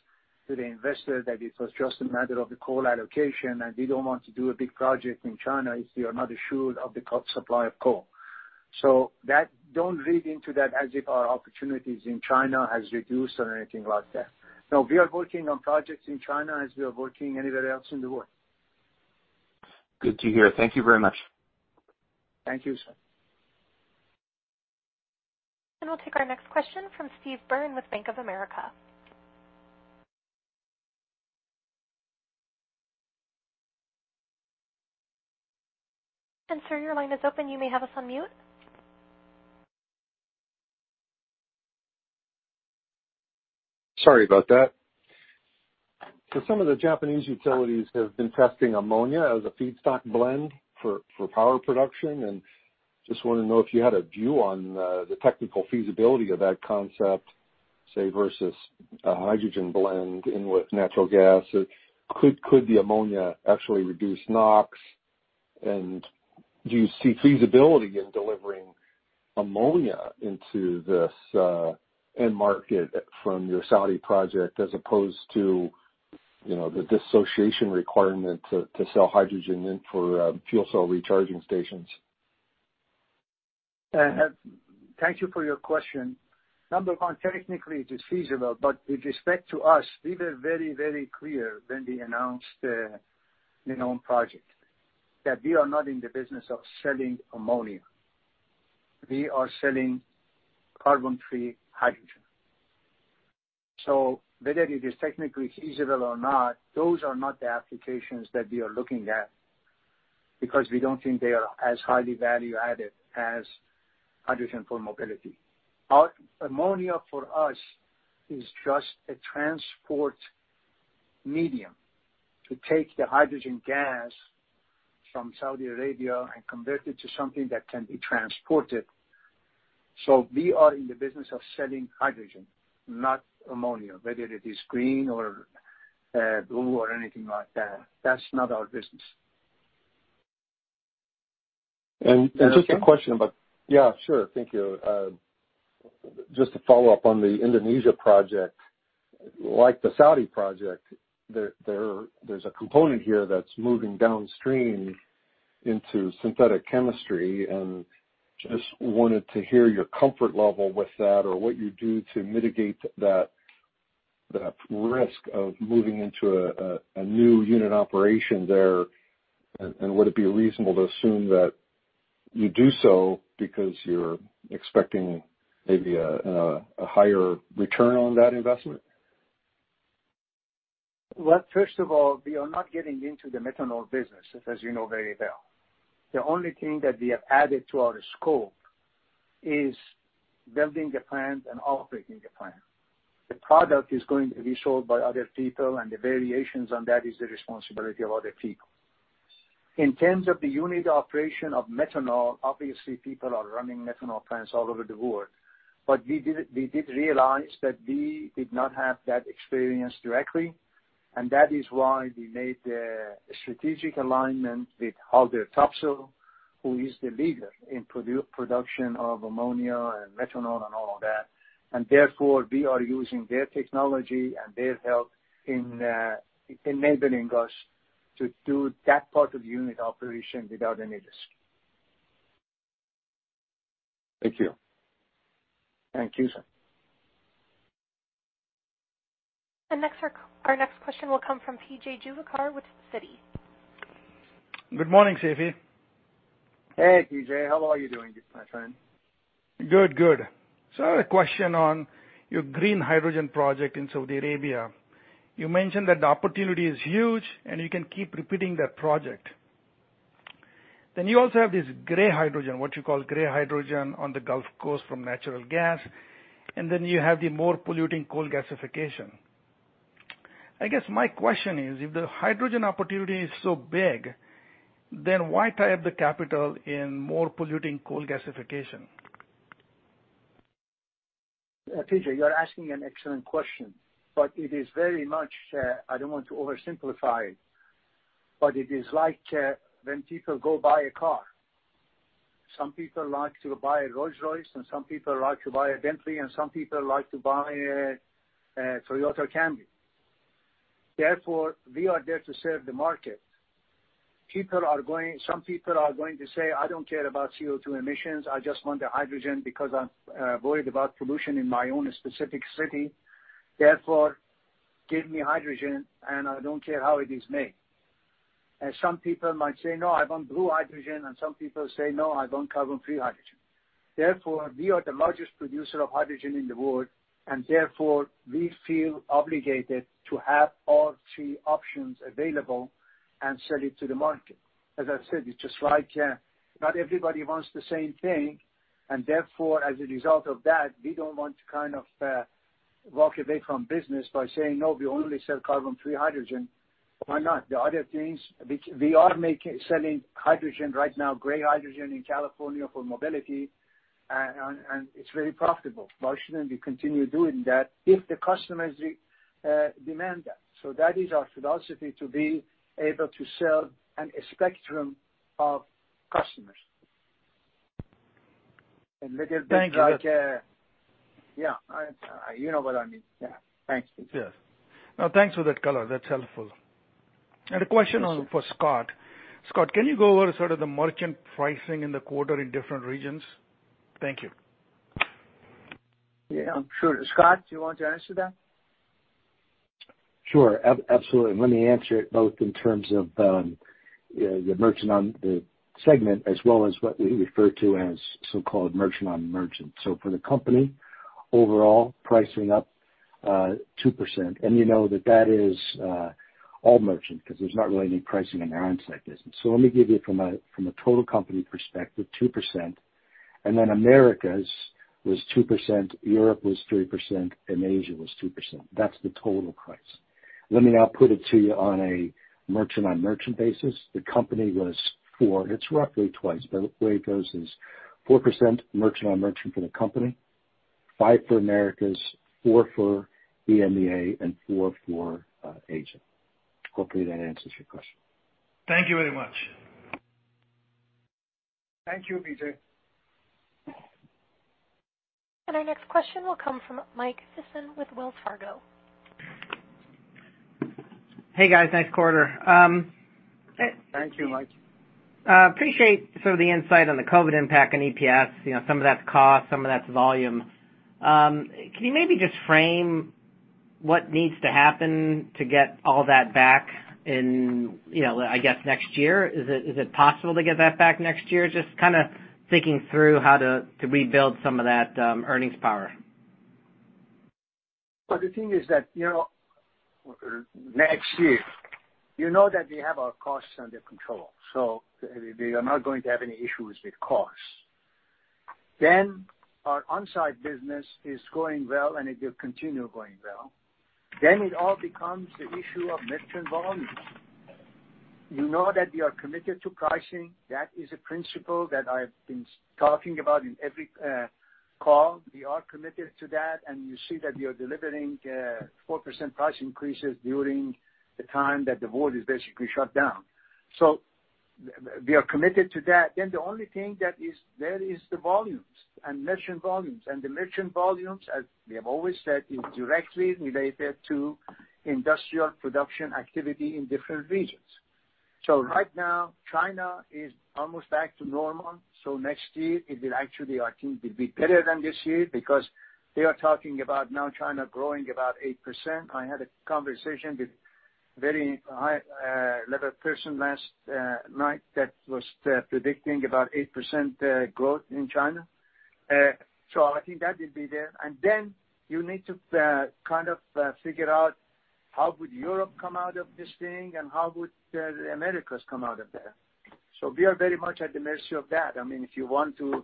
to the investors, that it was just a matter of the coal allocation, and we don't want to do a big project in China if we are not assured of the supply of coal. Don't read into that as if our opportunities in China has reduced or anything like that. No, we are working on projects in China as we are working anywhere else in the world. Good to hear. Thank you very much. Thank you, sir. We'll take our next question from Steve Byrne with Bank of America. Sir, your line is open. You may have us on mute. Sorry about that. Some of the Japanese utilities have been testing ammonia as a feedstock blend for power production, and just wanted to know if you had a view on the technical feasibility of that concept, say, versus a hydrogen blend in with natural gas. Could the ammonia actually reduce NOx? Do you see feasibility in delivering ammonia into this end market from your Saudi project as opposed to the dissociation requirement to sell hydrogen in for fuel cell recharging stations? Thank you for your question. Number one, technically it is feasible, but with respect to us, we were very, very clear when we announced the NEOM project that we are not in the business of selling ammonia. We are selling carbon-free hydrogen. Whether it is technically feasible or not, those are not the applications that we are looking at. Because we don't think they are as highly value-added as hydrogen for mobility. Ammonia for us is just a transport medium to take the hydrogen gas from Saudi Arabia and convert it to something that can be transported. We are in the business of selling hydrogen, not ammonia, whether it is green or blue or anything like that. That's not our business. And just a question. Yeah, sure. Thank you. Just to follow up on the Indonesia project, like the Saudi project, there's a component here that's moving downstream into synthetic chemistry and just wanted to hear your comfort level with that or what you do to mitigate that risk of moving into a new unit operation there, and would it be reasonable to assume that you do so because you're expecting maybe a higher return on that investment? Well, first of all, we are not getting into the methanol business, as you know very well. The only thing that we have added to our scope is building the plant and operating the plant. The product is going to be sold by other people, and the variations on that is the responsibility of other people. In terms of the unit operation of methanol, obviously people are running methanol plants all over the world, but we did realize that we did not have that experience directly, and that is why we made a strategic alignment with Haldor Topsoe, who is the leader in production of ammonia and methanol and all of that. Therefore, we are using their technology and their help in enabling us to do that part of the unit operation without any risk. Thank you. Thank you, sir. Next, our next question will come from PJ Juvekar with Citi. Good morning, Seifi. Hey, PJ, how are you doing this time around? Good. I have a question on your green hydrogen project in Saudi Arabia. You mentioned that the opportunity is huge, and you can keep repeating that project. You also have this gray hydrogen, what you call gray hydrogen on the Gulf Coast from natural gas, and then you have the more polluting coal gasification. I guess my question is, if the hydrogen opportunity is so big, why tie up the capital in more polluting coal gasification? PJ, you're asking an excellent question, but it is very much, I don't want to oversimplify it, but it is like when people go buy a car. Some people like to buy a Rolls-Royce, and some people like to buy a Bentley, and some people like to buy a Toyota Camry. We are there to serve the market. Some people are going to say, "I don't care about CO2 emissions. I just want the hydrogen because I'm worried about pollution in my own specific city. Give me hydrogen, and I don't care how it is made." Some people might say, "No, I want blue hydrogen," and some people say, "No, I want carbon-free hydrogen." We are the largest producer of hydrogen in the world, and therefore, we feel obligated to have all three options available and sell it to the market. As I said, it's just like not everybody wants the same thing. Therefore, as a result of that, we don't want to kind of walk away from business by saying, "No, we only sell carbon-free hydrogen." Why not? The other things, we are selling hydrogen right now, gray hydrogen in California for mobility, and it's very profitable. Why shouldn't we continue doing that if the customers demand that? That is our philosophy, to be able to sell on a spectrum of customers. Thank you. Yeah. You know what I mean. Yeah. Thanks, PJ. Yes. No, thanks for that color. That's helpful. A question for Scott. Scott, can you go over sort of the merchant pricing in the quarter in different regions? Thank you. Yeah, sure. Scott, do you want to answer that? Sure. Absolutely. Let me answer it both in terms of the segment as well as what we refer to as so-called merchant on merchant. For the company, overall pricing up 2%. You know that is all merchant because there's not really any pricing in our on-site business. Let me give you from a total company perspective, 2%, and then Americas was 2%, Europe was 3%, and Asia was 2%. That's the total price. Let me now put it to you on a merchant on merchant basis. The company was 4%. It's roughly twice. The way it goes is 4% merchant on merchant for the company, 5% for Americas, 4% for EMEA, and 4% for Asia. Hopefully that answers your question. Thank you very much. Thank you, PJ. Our next question will come from Mike Sison with Wells Fargo. Hey, guys, nice quarter. Thank you, Mike. Appreciate sort of the insight on the COVID impact on EPS. Some of that's cost, some of that's volume. Can you maybe just frame what needs to happen to get all that back in, I guess, next year? Is it possible to get that back next year? Just kind of thinking through how to rebuild some of that earnings power. The thing is that, next year, you know that we have our costs under control. We are not going to have any issues with costs. Our onsite business is going well, and it will continue going well. It all becomes the issue of merchant volumes. You know that we are committed to pricing. That is a principle that I've been talking about in every call. We are committed to that, and you see that we are delivering 4% price increases during the time that the world is basically shut down. We are committed to that. The only thing that is there is the volumes, and merchant volumes. The merchant volumes, as we have always said, is directly related to industrial production activity in different regions. Right now, China is almost back to normal, so next year, it will actually, I think, be better than this year because they are talking about now China growing about 8%. I had a conversation with very high-level person last night that was predicting about 8% growth in China. I think that will be there. Then you need to figure out how would Europe come out of this thing, and how would the Americas come out of that. We are very much at the mercy of that. If you want to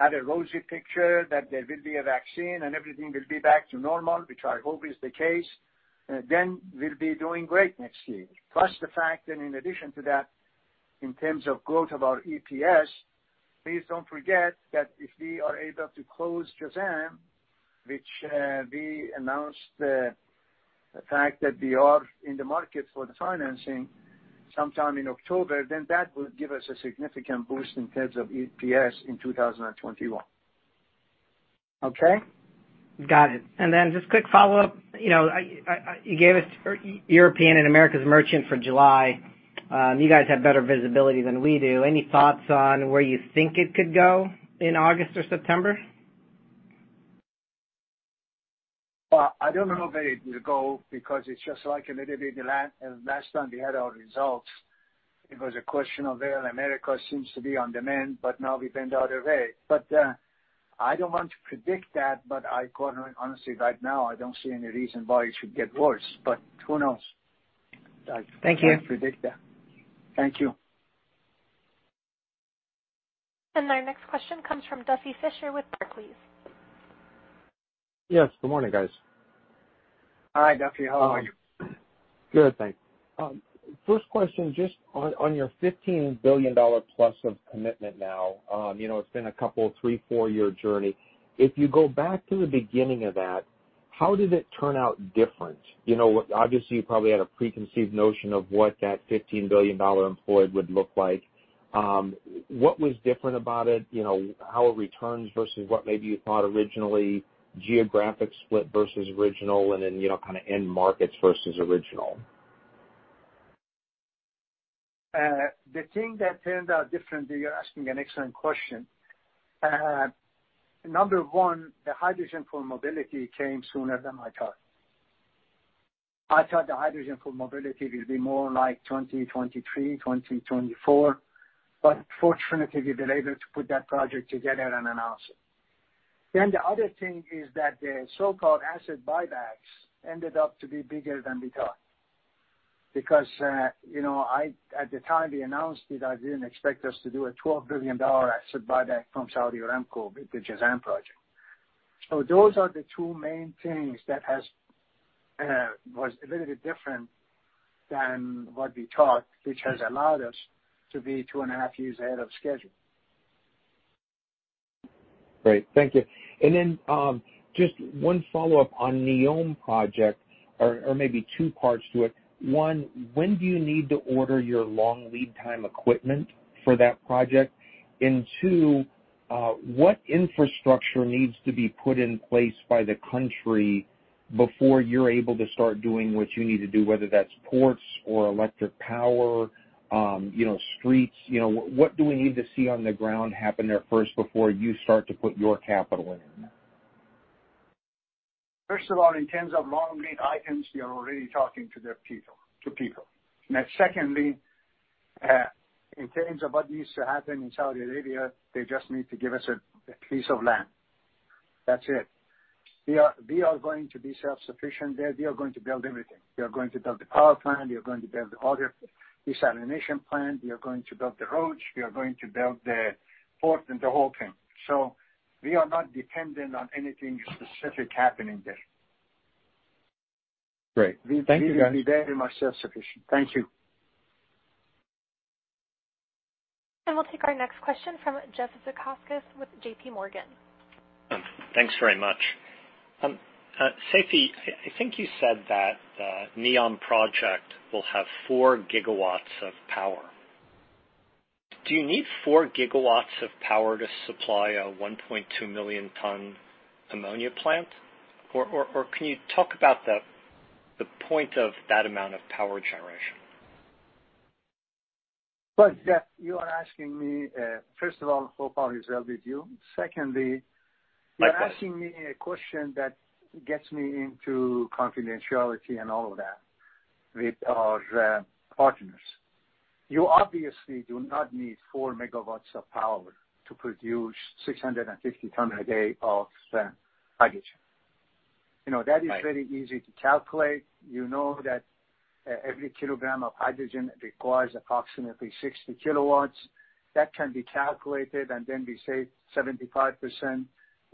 have a rosy picture that there will be a vaccine and everything will be back to normal, which I hope is the case, then we'll be doing great next year. Plus the fact that in addition to that, in terms of growth of our EPS, please don't forget that if we are able to close Jazan, which we announced the fact that we are in the market for the financing sometime in October, then that will give us a significant boost in terms of EPS in 2021. Okay? Got it. Just quick follow-up. You gave us European and Americas merchant for July. You guys have better visibility than we do. Any thoughts on where you think it could go in August or September? Well, I don't know where it will go because it's just like a little bit last time we had our results, it was a question of, well, America seems to be on demand, but now we've been the other way. I don't want to predict that, but I, quite honestly, right now, I don't see any reason why it should get worse, but who knows? Thank you. I can't predict that. Thank you. Our next question comes from Duffy Fischer with Barclays. Yes. Good morning, guys. Hi, Duffy. How are you? Good, thanks. First question, just on your $15 billion+ of commitment now. It's been a couple, three, four-year journey. If you go back to the beginning of that, how did it turn out different? Obviously, you probably had a preconceived notion of what that $15 billion employed would look like. What was different about it? How it returns versus what maybe you thought originally, geographic split versus original, kind of end markets versus original. The thing that turned out differently, you're asking an excellent question. Number one, the hydrogen for mobility came sooner than I thought. I thought the hydrogen for mobility will be more like 2023, 2024, but fortunately, we've been able to put that project together and announce it. The other thing is that the so-called asset buybacks ended up to be bigger than we thought. At the time we announced it, I didn't expect us to do a $12 billion asset buyback from Saudi Aramco with the Jazan project. Those are the two main things that was a little bit different than what we thought, which has allowed us to be two and a half years ahead of schedule. Great. Thank you. Just one follow-up on NEOM project or maybe two parts to it. One, when do you need to order your long lead time equipment for that project? Two, what infrastructure needs to be put in place by the country before you're able to start doing what you need to do, whether that's ports or electric power, streets. What do we need to see on the ground happen there first before you start to put your capital in there? In terms of long lead items, we are already talking to their people. In terms of what needs to happen in Saudi Arabia, they just need to give us a piece of land. That's it. We are going to be self-sufficient there. We are going to build everything. We are going to build the power plant, we are going to build all the desalination plant, we are going to build the roads, we are going to build the port and the whole thing. We are not dependent on anything specific happening there. Great. Thank you. We are very much self-sufficient. Thank you. We'll take our next question from Jeff Zekauskas with JPMorgan. Thanks very much. Seifi, I think you said that NEOM project will have four gigawatts of power. Do you need four gigawatts of power to supply a 1.2 million ton ammonia plant? Can you talk about the point of that amount of power generation? Well, Jeff, you are asking me, first of all, hope all is well with you. Secondly, you're asking me a question that gets me into confidentiality and all of that with our partners. You obviously do not need 4 MW of power to produce 650 ton a day of hydrogen. Right. That is very easy to calculate. You know that every kilogram of hydrogen requires approximately 60 kW. That can be calculated, and then we say 75%,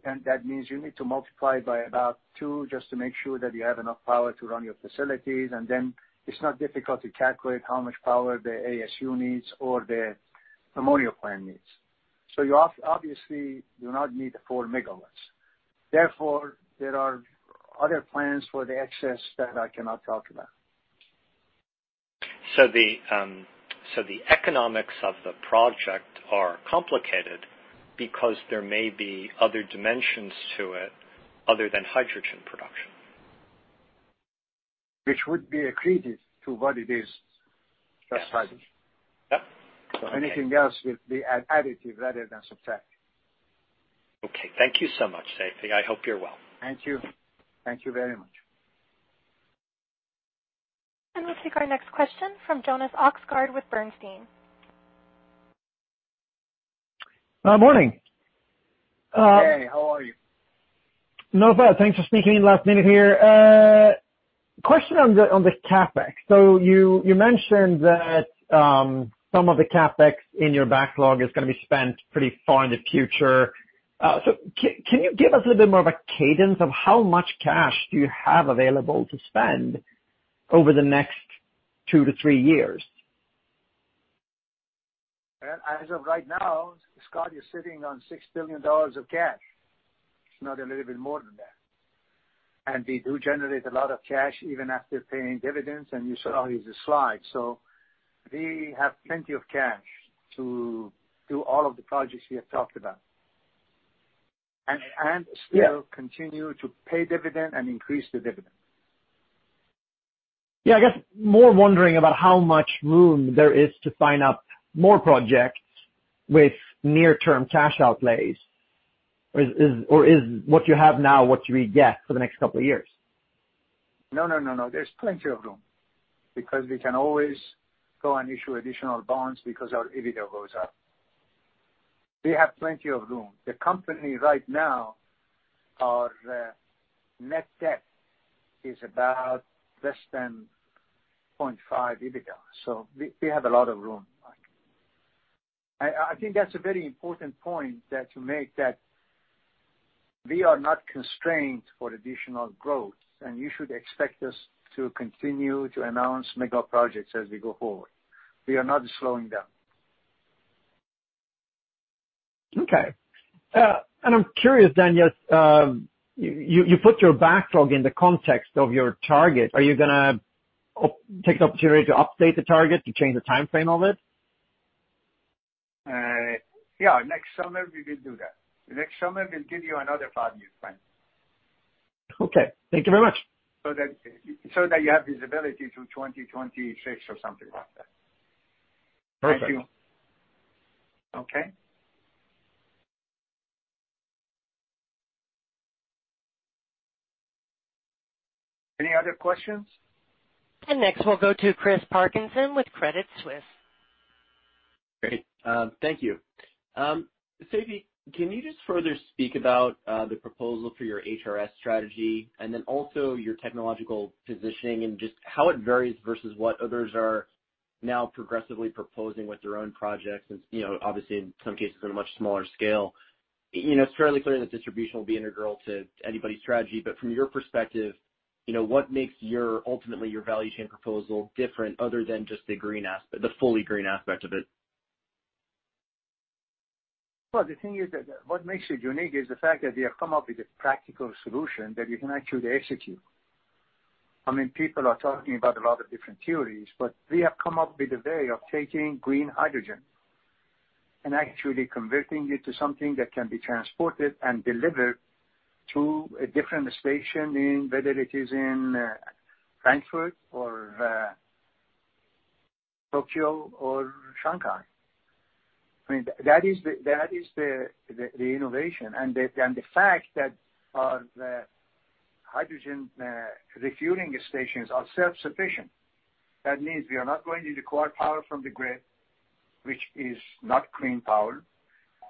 and that means you need to multiply by about two just to make sure that you have enough power to run your facilities. It's not difficult to calculate how much power the ASU needs or the ammonia plant needs. You obviously do not need 4 MW. Therefore, there are other plans for the excess that I cannot talk about. The economics of the project are complicated because there may be other dimensions to it other than hydrogen production. Which would be accretive to what it is, just hydrogen. Yes. Yep. Okay. Anything else will be additive rather than subtractive. Okay. Thank you so much, Seifi. I hope you're well. Thank you. Thank you very much. We'll take our next question from Jonas Oxgaard with Bernstein. Morning. Hey, how are you? Not bad. Thanks for sneaking me in last minute here. Question on the CapEx. You mentioned that some of the CapEx in your backlog is going to be spent pretty far in the future. Can you give us a little bit more of a cadence of how much cash do you have available to spend over the next two to three years? As of right now, Oxgaard, we're sitting on $6 billion of cash. It's not a little bit more than that. We do generate a lot of cash even after paying dividends, and you saw it in the slide. We have plenty of cash to do all of the projects we have talked about. Still continue to pay dividend and increase the dividend. Yeah, I guess more wondering about how much room there is to sign up more projects with near-term cash outlays. Is what you have now what we get for the next couple of years? No, there's plenty of room. We can always go and issue additional bonds because our EBITDA goes up. We have plenty of room. The company right now, our net debt is about less than 0.5x EBITDA. We have a lot of room. I think that's a very important point to make, that we are not constrained for additional growth, and you should expect us to continue to announce mega projects as we go forward. We are not slowing down. Okay. I'm curious then, you put your backlog in the context of your target. Are you going to take the opportunity to update the target, to change the timeframe of it? Yeah. Next summer, we will do that. Next summer, we'll give you another five-year plan. Okay. Thank you very much. That you have visibility to 2026 or something like that. Perfect. Thank you. Okay. Any other questions? Next, we'll go to Chris Parkinson with Credit Suisse. Great. Thank you. Seifi, can you just further speak about the proposal for your HRS strategy and then also your technological positioning and just how it varies versus what others are now progressively proposing with their own projects? Obviously, in some cases, on a much smaller scale. It's fairly clear that distribution will be integral to anybody's strategy, but from your perspective, what makes ultimately your value chain proposal different other than just the fully green aspect of it? The thing is that what makes it unique is the fact that we have come up with a practical solution that we can actually execute. People are talking about a lot of different theories, but we have come up with a way of taking green hydrogen and actually converting it to something that can be transported and delivered to a different station, whether it is in Frankfurt or Tokyo or Shanghai. That is the innovation. The fact that our hydrogen refueling stations are self-sufficient. That means we are not going to require power from the grid, which is not clean power,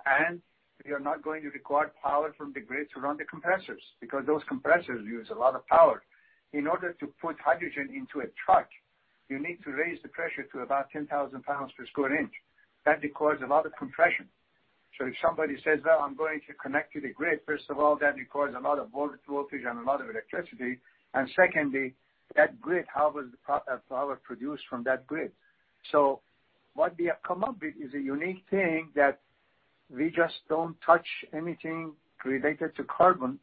and we are not going to require power from the grid to run the compressors, because those compressors use a lot of power. In order to put hydrogen into a truck, you need to raise the pressure to about 10,000 psi. That requires a lot of compression. If somebody says, "Well, I'm going to connect to the grid," first of all, that requires a lot of voltage and a lot of electricity. Secondly, that grid, how was the power produced from that grid? What we have come up with is a unique thing that we just don't touch anything related to carbon,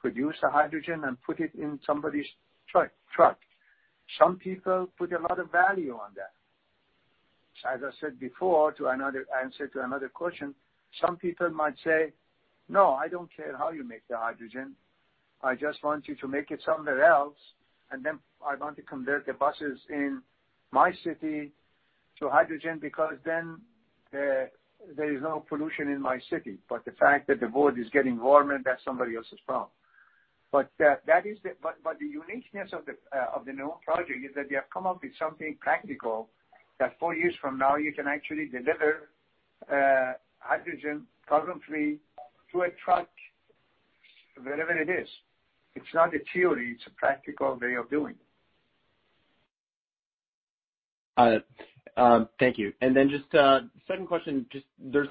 produce the hydrogen, and put it in somebody's truck. Some people put a lot of value on that. As I said before to another answer to another question, some people might say, "No, I don't care how you make the hydrogen. I just want you to make it somewhere else, and then I want to convert the buses in my city to hydrogen, because then there is no pollution in my city. The fact that the world is getting warmer, that's somebody else's problem. The uniqueness of the new project is that we have come up with something practical that four years from now, you can actually deliver hydrogen carbon-free to a truck, wherever it is. It's not a theory, it's a practical way of doing it. Thank you. Just a second question. There's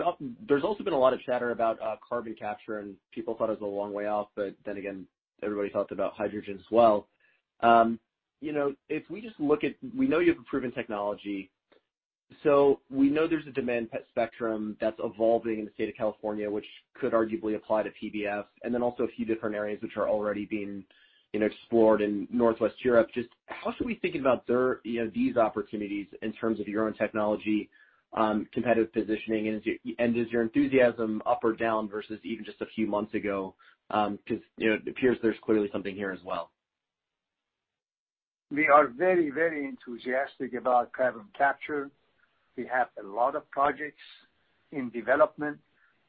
also been a lot of chatter about carbon capture. People thought it was a long way off, but then again, everybody thought about hydrogen as well. We know you have a proven technology. We know there's a demand spectrum that's evolving in the state of California, which could arguably apply to PBF, and also a few different areas which are already being explored in Northwest Europe. How should we think about these opportunities in terms of your own technology, competitive positioning, and is your enthusiasm up or down versus even just a few months ago? It appears there's clearly something here as well. We are very enthusiastic about carbon capture. We have a lot of projects in development,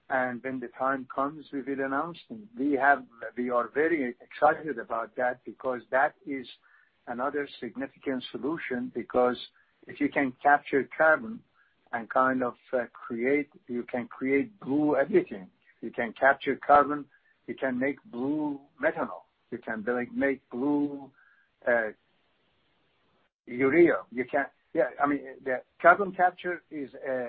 and when the time comes, we will announce them. We are very excited about that because that is another significant solution, because if you can capture carbon, you can create blue everything. You can capture carbon, you can make blue methanol, you can make blue urea. Carbon capture is a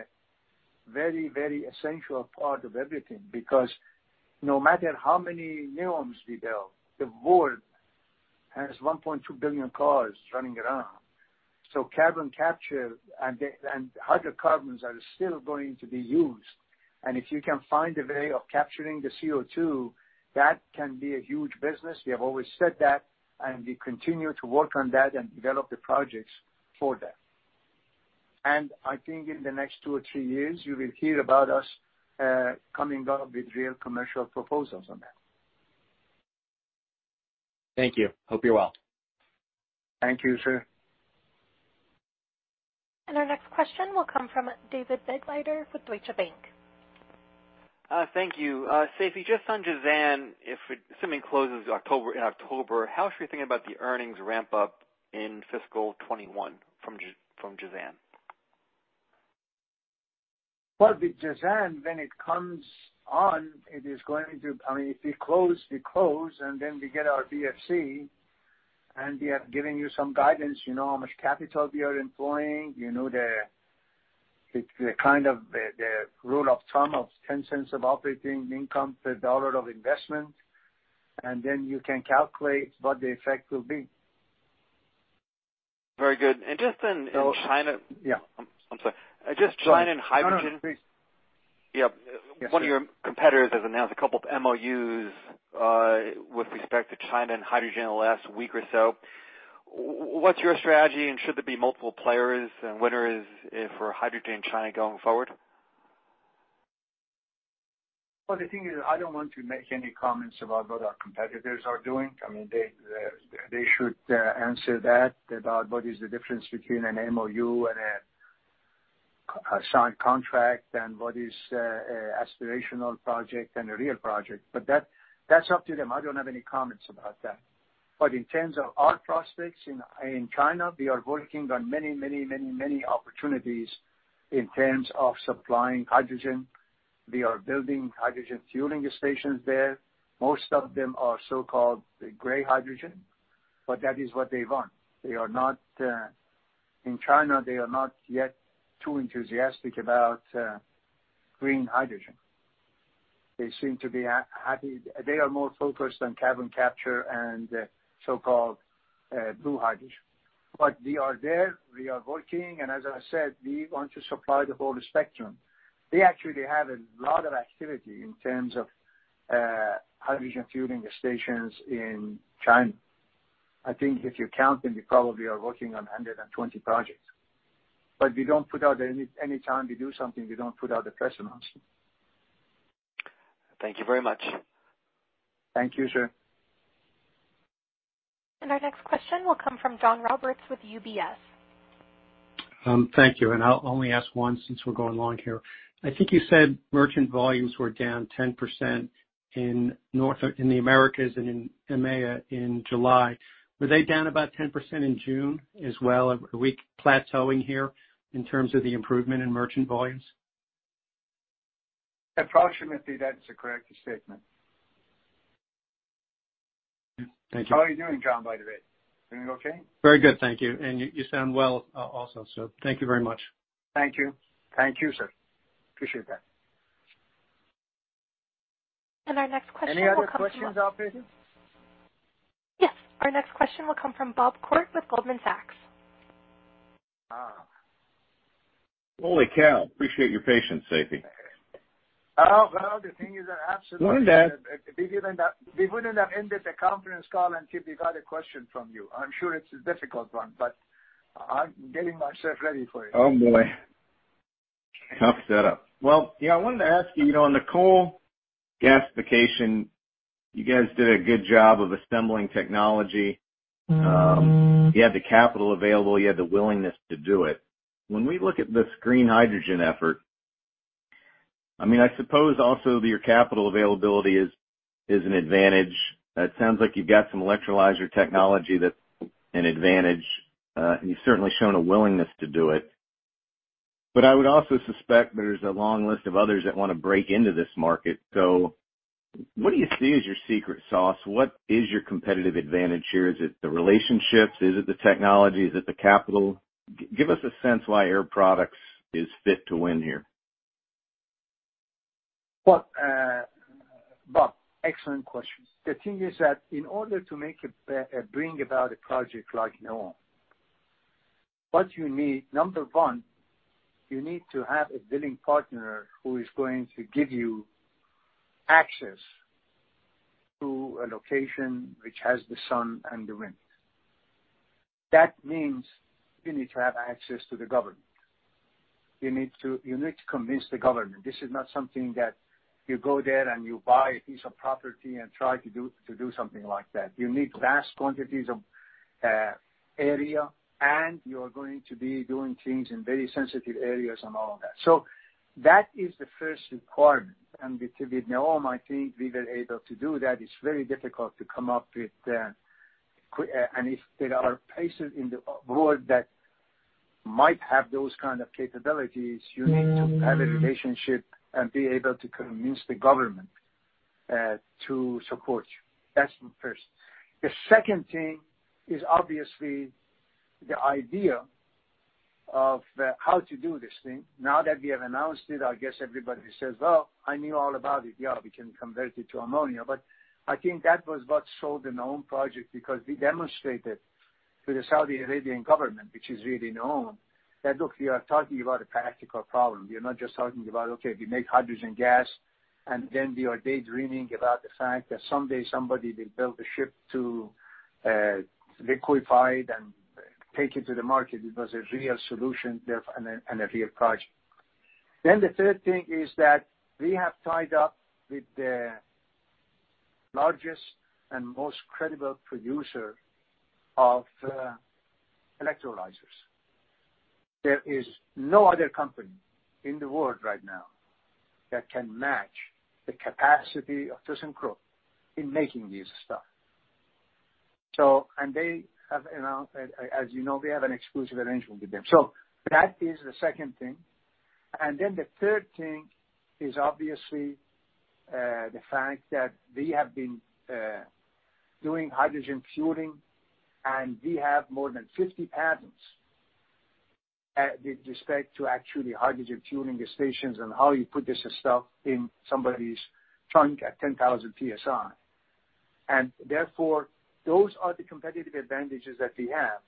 very essential part of everything because no matter how many new homes we build, the world has 1.2 billion cars running around. Carbon capture and hydrocarbons are still going to be used, and if you can find a way of capturing the CO2, that can be a huge business. We have always said that, and we continue to work on that and develop the projects for that. I think in the next two or three years, you will hear about us coming up with real commercial proposals on that. Thank you. Hope you're well. Thank you, sir. Our next question will come from David Begleiter with Deutsche Bank. Thank you. Seifi, just on Jazan, assuming it closes in October, how should we think about the earnings ramp-up in FY 2021 from Jazan? Well, with Jazan, when it comes on, if we close, we close, and then we get our DFC, and we are giving you some guidance, you know how much capital we are employing. You know the rule of thumb of $0.10 of operating income per dollar of investment, and then you can calculate what the effect will be. Very good. Just in China. I'm sorry. Just China and hydrogen. No, please. Yeah. One of your competitors has announced a couple of MOUs, with respect to China and hydrogen in the last week or so. What's your strategy, and should there be multiple players and winners for hydrogen in China going forward? The thing is, I don't want to make any comments about what our competitors are doing. They should answer that, about what is the difference between an MOU and a signed contract, and what is aspirational project and a real project. That's up to them. I don't have any comments about that. In terms of our prospects in China, we are working on many, many opportunities in terms of supplying hydrogen. We are building hydrogen fueling stations there. Most of them are so-called gray hydrogen, but that is what they want. In China, they are not yet too enthusiastic about green hydrogen. They seem to be happy. They are more focused on carbon capture and so-called blue hydrogen. We are there, we are working, and as I said, we want to supply the whole spectrum. We actually have a lot of activity in terms of hydrogen fueling stations in China. I think if you count them, we probably are working on 120 projects. Anytime we do something, we don't put out a press announcement. Thank you very much. Thank you, sir. Our next question will come from John Roberts with UBS. Thank you. I'll only ask one since we're going long here. I think you said merchant volumes were down 10% in the Americas and in EMEA in July. Were they down about 10% in June as well? Are we plateauing here in terms of the improvement in merchant volumes? Approximately, that's a correct statement. Thank you. How are you doing, John, by the way? Doing okay? Very good, thank you. You sound well, also, so thank you very much. Thank you. Thank you, sir. Appreciate that. Any other questions, Operator? Yes. Our next question will come from Bob Koort with Goldman Sachs. Holy cow, appreciate your patience, Seifi. Oh, well, the thing is that absolutely. Learn that. We wouldn't have ended the conference call until we got a question from you. I'm sure it's a difficult one, but I'm getting myself ready for it. Oh, boy. Tough setup. Well, yeah, I wanted to ask you, on the coal gasification, you guys did a good job of assembling technology. You had the capital available, you had the willingness to do it. When we look at this green hydrogen effort. I suppose also that your capital availability is an advantage. It sounds like you've got some electrolyzer technology that's an advantage. You've certainly shown a willingness to do it. I would also suspect there's a long list of others that want to break into this market. What do you see as your secret sauce? What is your competitive advantage here? Is it the relationships? Is it the technology? Is it the capital? Give us a sense why Air Products is fit to win here. Bob, excellent question. The thing is that in order to bring about a project like NEOM, what you need, number one, you need to have a willing partner who is going to give you access to a location which has the sun and the wind. You need to have access to the government. You need to convince the government. This is not something that you go there and you buy a piece of property and try to do something like that. You need vast quantities of area, you are going to be doing things in very sensitive areas and all of that. That is the first requirement. With NEOM, I think we were able to do that. It's very difficult to come up with, and if there are places in the world that might have those kind of capabilities, you need to have a relationship and be able to convince the government to support you. That's first. The second thing is obviously the idea of how to do this thing. Now that we have announced it, I guess everybody says, "Well, I knew all about it. Yeah, we can convert it to ammonia." I think that was what sold the NEOM project, because we demonstrated to the Saudi Arabian government, which is really NEOM, that, look, we are talking about a practical problem. We are not just talking about, okay, we make hydrogen gas, and then we are daydreaming about the fact that someday somebody will build a ship to liquefy it and take it to the market. It was a real solution there and a real project. The third thing is that we have tied up with the largest and most credible producer of electrolyzers. There is no other company in the world right now that can match the capacity of ThyssenKrupp in making this stuff. As you know, we have an exclusive arrangement with them. That is the second thing. The third thing is obviously, the fact that we have been doing hydrogen fueling, and we have more than 50 patents with respect to actually hydrogen fueling the stations and how you put this stuff in somebody's trunk at 10,000 psi. Those are the competitive advantages that we have.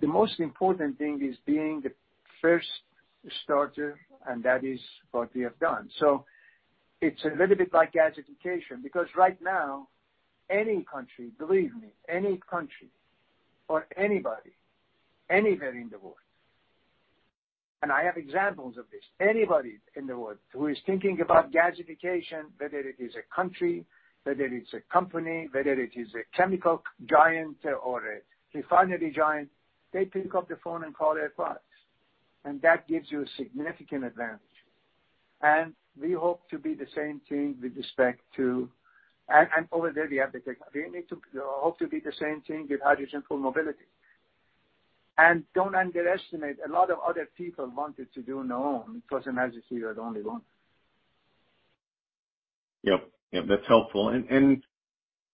The most important thing is being the first starter, and that is what we have done. It's a little bit like gasification, because right now, any country, believe me, any country or anybody, anywhere in the world, and I have examples of this, anybody in the world who is thinking about gasification, whether it is a country, whether it's a company, whether it is a chemical giant or a refinery giant, they pick up the phone and call Air Products, and that gives you a significant advantage. We hope to be the same thing with respect to. Over there, we have the technology. We hope to be the same thing with Hydrogen for Mobility. Don't underestimate, a lot of other people wanted to do NEOM. It wasn't as if we were the only one. Yep. That's helpful.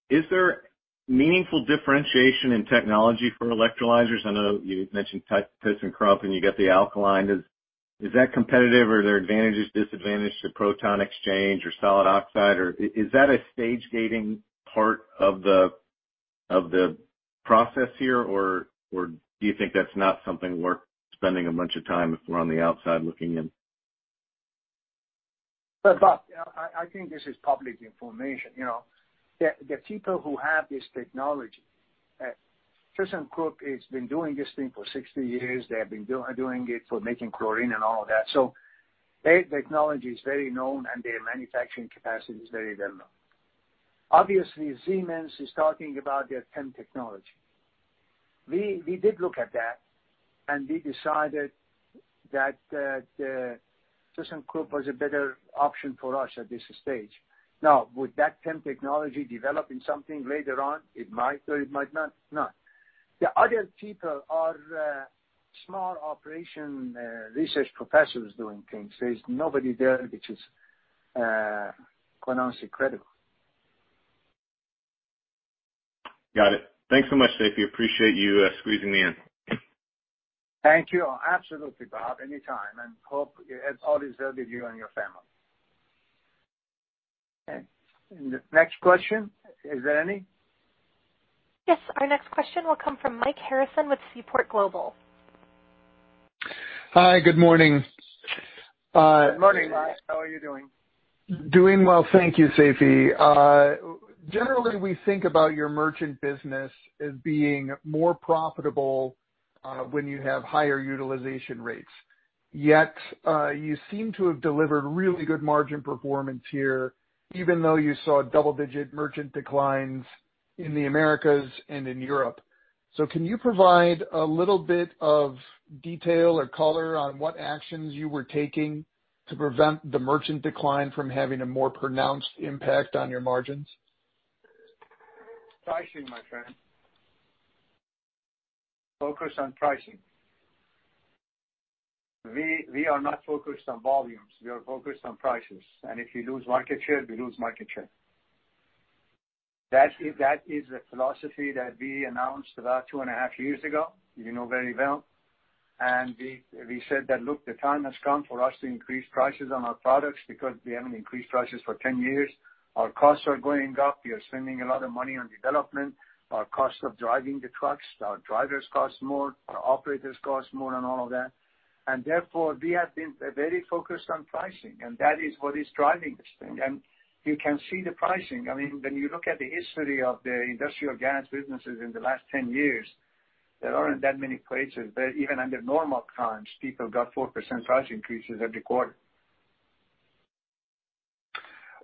Is there meaningful differentiation in technology for electrolyzers? I know you mentioned ThyssenKrupp, and you get the alkaline. Is that competitive or are there advantages, disadvantage to proton exchange or solid oxide? Is that a stage-gating part of the process here, or do you think that's not something worth spending a bunch of time if we're on the outside looking in? Bob, I think this is public information. The people who have this technology, ThyssenKrupp has been doing this thing for 60 years. They have been doing it for making chlorine and all of that. Their technology is very known, and their manufacturing capacity is very well-known. Obviously, Siemens is talking about their PEM technology. We did look at that, and we decided that ThyssenKrupp was a better option for us at this stage. Would that PEM technology develop in something later on? It might or it might not. The other people are small operation, research professors doing things. There's nobody there which is commercially credible. Got it. Thanks so much, Seifi. Appreciate you squeezing me in. Thank you. Absolutely, Bob, anytime. Hope all is well with you and your family. Okay. Next question. Is there any? Yes. Our next question will come from Mike Harrison with Seaport Global. Hi, good morning. Good morning, Mike. How are you doing? Doing well, thank you, Seifi. Generally, we think about your merchant business as being more profitable, when you have higher utilization rates. Yet, you seem to have delivered really good margin performance here, even though you saw double-digit merchant declines in the Americas and in Europe. Can you provide a little bit of detail or color on what actions you were taking to prevent the merchant decline from having a more pronounced impact on your margins? Pricing, my friend. Focus on pricing. We are not focused on volumes. We are focused on prices. If you lose market share, we lose market share. That is a philosophy that we announced about two and a half years ago, you know very well. We said that, look, the time has come for us to increase prices on our products because we haven't increased prices for 10 years. Our costs are going up. We are spending a lot of money on development. Our cost of driving the trucks, our drivers cost more, our operators cost more, and all of that. Therefore, we have been very focused on pricing, and that is what is driving this thing. You can see the pricing. When you look at the history of the industrial gas businesses in the last 10 years, there aren't that many places that even under normal times, people got 4% price increases every quarter.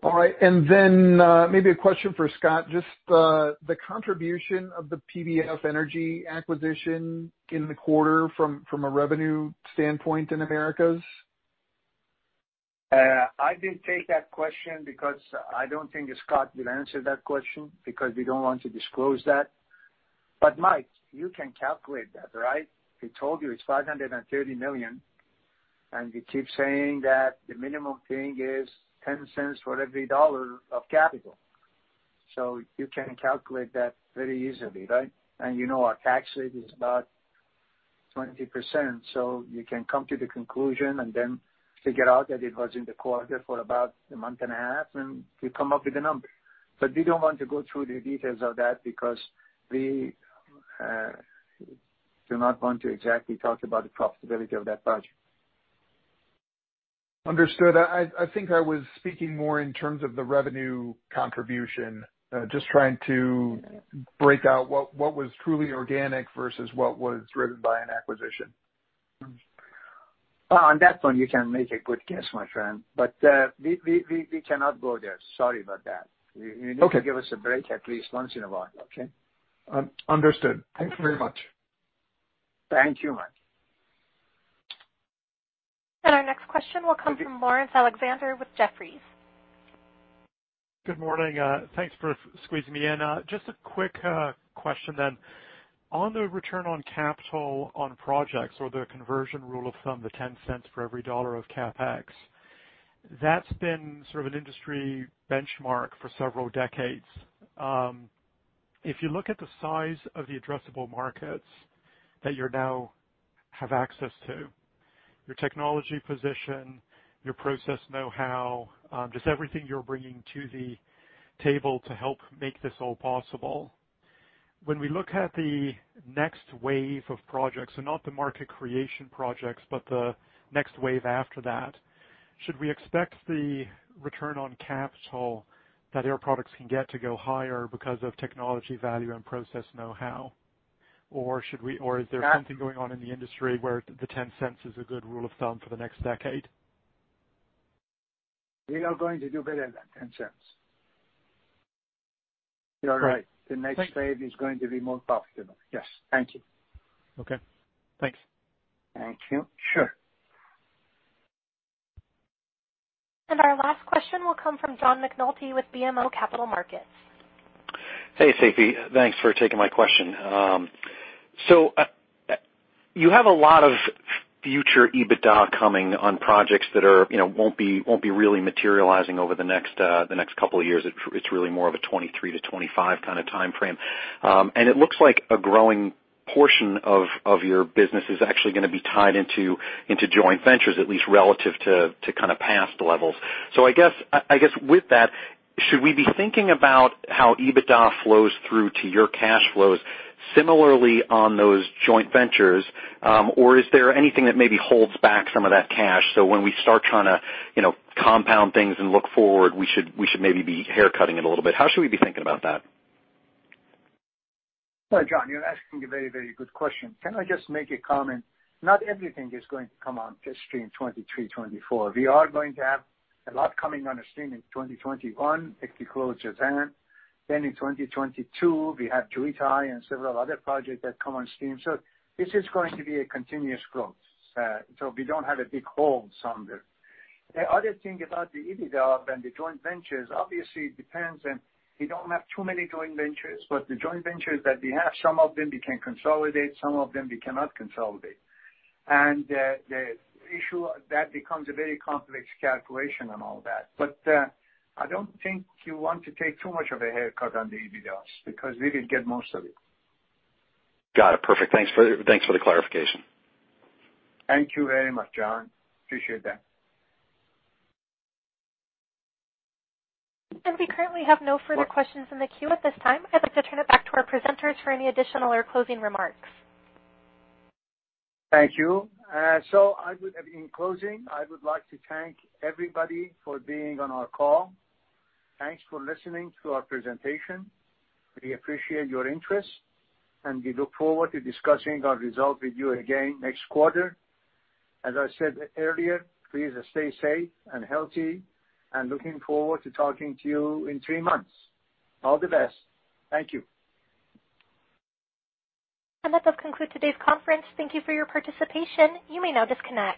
All right, maybe a question for Scott, just the contribution of the PBF Energy acquisition in the quarter from a revenue standpoint in Americas. I didn't take that question because I don't think Scott will answer that question because we don't want to disclose that. Mike, you can calculate that, right? We told you it's $530 million, and we keep saying that the minimum thing is $0.10 for every dollar of capital. You can calculate that very easily, right? You know our tax rate is about 20%, so you can come to the conclusion and then figure out that it was in the quarter for about a month and a half, and we come up with a number. We don't want to go through the details of that because we do not want to exactly talk about the profitability of that project. Understood. I think I was speaking more in terms of the revenue contribution. Just trying to break out what was truly organic versus what was driven by an acquisition. On that one, you can make a good guess, my friend. We cannot go there. Sorry about that. Okay. You need to give us a break at least once in a while, okay? Understood. Thank you very much. Thank you, Mike. Our next question will come from Laurence Alexander with Jefferies. Good morning. Thanks for squeezing me in. Just a quick question then. On the return on capital on projects or the conversion rule of thumb, the $0.10 for every $1 of CapEx, that's been sort of an industry benchmark for several decades. If you look at the size of the addressable markets that you now have access to, your technology position, your process know-how, just everything you're bringing to the table to help make this all possible. When we look at the next wave of projects, and not the market creation projects, but the next wave after that, should we expect the return on capital that Air Products can get to go higher because of technology value and process know-how? Is there something going on in the industry where the $0.10 is a good rule of thumb for the next decade? We are going to do better than $0.10. Great. You're right. The next phase is going to be more profitable. Yes. Thank you. Okay. Thanks. Thank you. Sure. Our last question will come from John McNulty with BMO Capital Markets. Hey, Seifi. Thanks for taking my question. You have a lot of future EBITDA coming on projects that won't be really materializing over the next couple of years. It's really more of a 2023 to 2025 kind of timeframe. It looks like a growing portion of your business is actually gonna be tied into joint ventures, at least relative to past levels. I guess with that, should we be thinking about how EBITDA flows through to your cash flows similarly on those joint ventures? Is there anything that maybe holds back some of that cash? When we start trying to compound things and look forward, we should maybe be haircutting it a little bit. How should we be thinking about that? Well, John, you're asking a very good question. Can I just make a comment? Not everything is going to come on the stream in 2023, 2024. We are going to have a lot coming on the stream in 2021, if we close Jazan. In 2022, we have Jiutai and several other projects that come on stream. This is going to be a continuous growth. We don't have a big hole somewhere. The other thing about the EBITDA and the joint ventures, obviously, it depends, and we don't have too many joint ventures. The joint ventures that we have, some of them we can consolidate, some of them we cannot consolidate. The issue, that becomes a very complex calculation on all that. I don't think you want to take too much of a haircut on the EBITDA, because we will get most of it. Got it. Perfect. Thanks for the clarification. Thank you very much, John. Appreciate that. We currently have no further questions in the queue at this time. I'd like to turn it back to our presenters for any additional or closing remarks. Thank you. In closing, I would like to thank everybody for being on our call. Thanks for listening to our presentation. We appreciate your interest, and we look forward to discussing our results with you again next quarter. As I said earlier, please stay safe and healthy, and looking forward to talking to you in three months. All the best. Thank you. That does conclude today's conference. Thank you for your participation. You may now disconnect.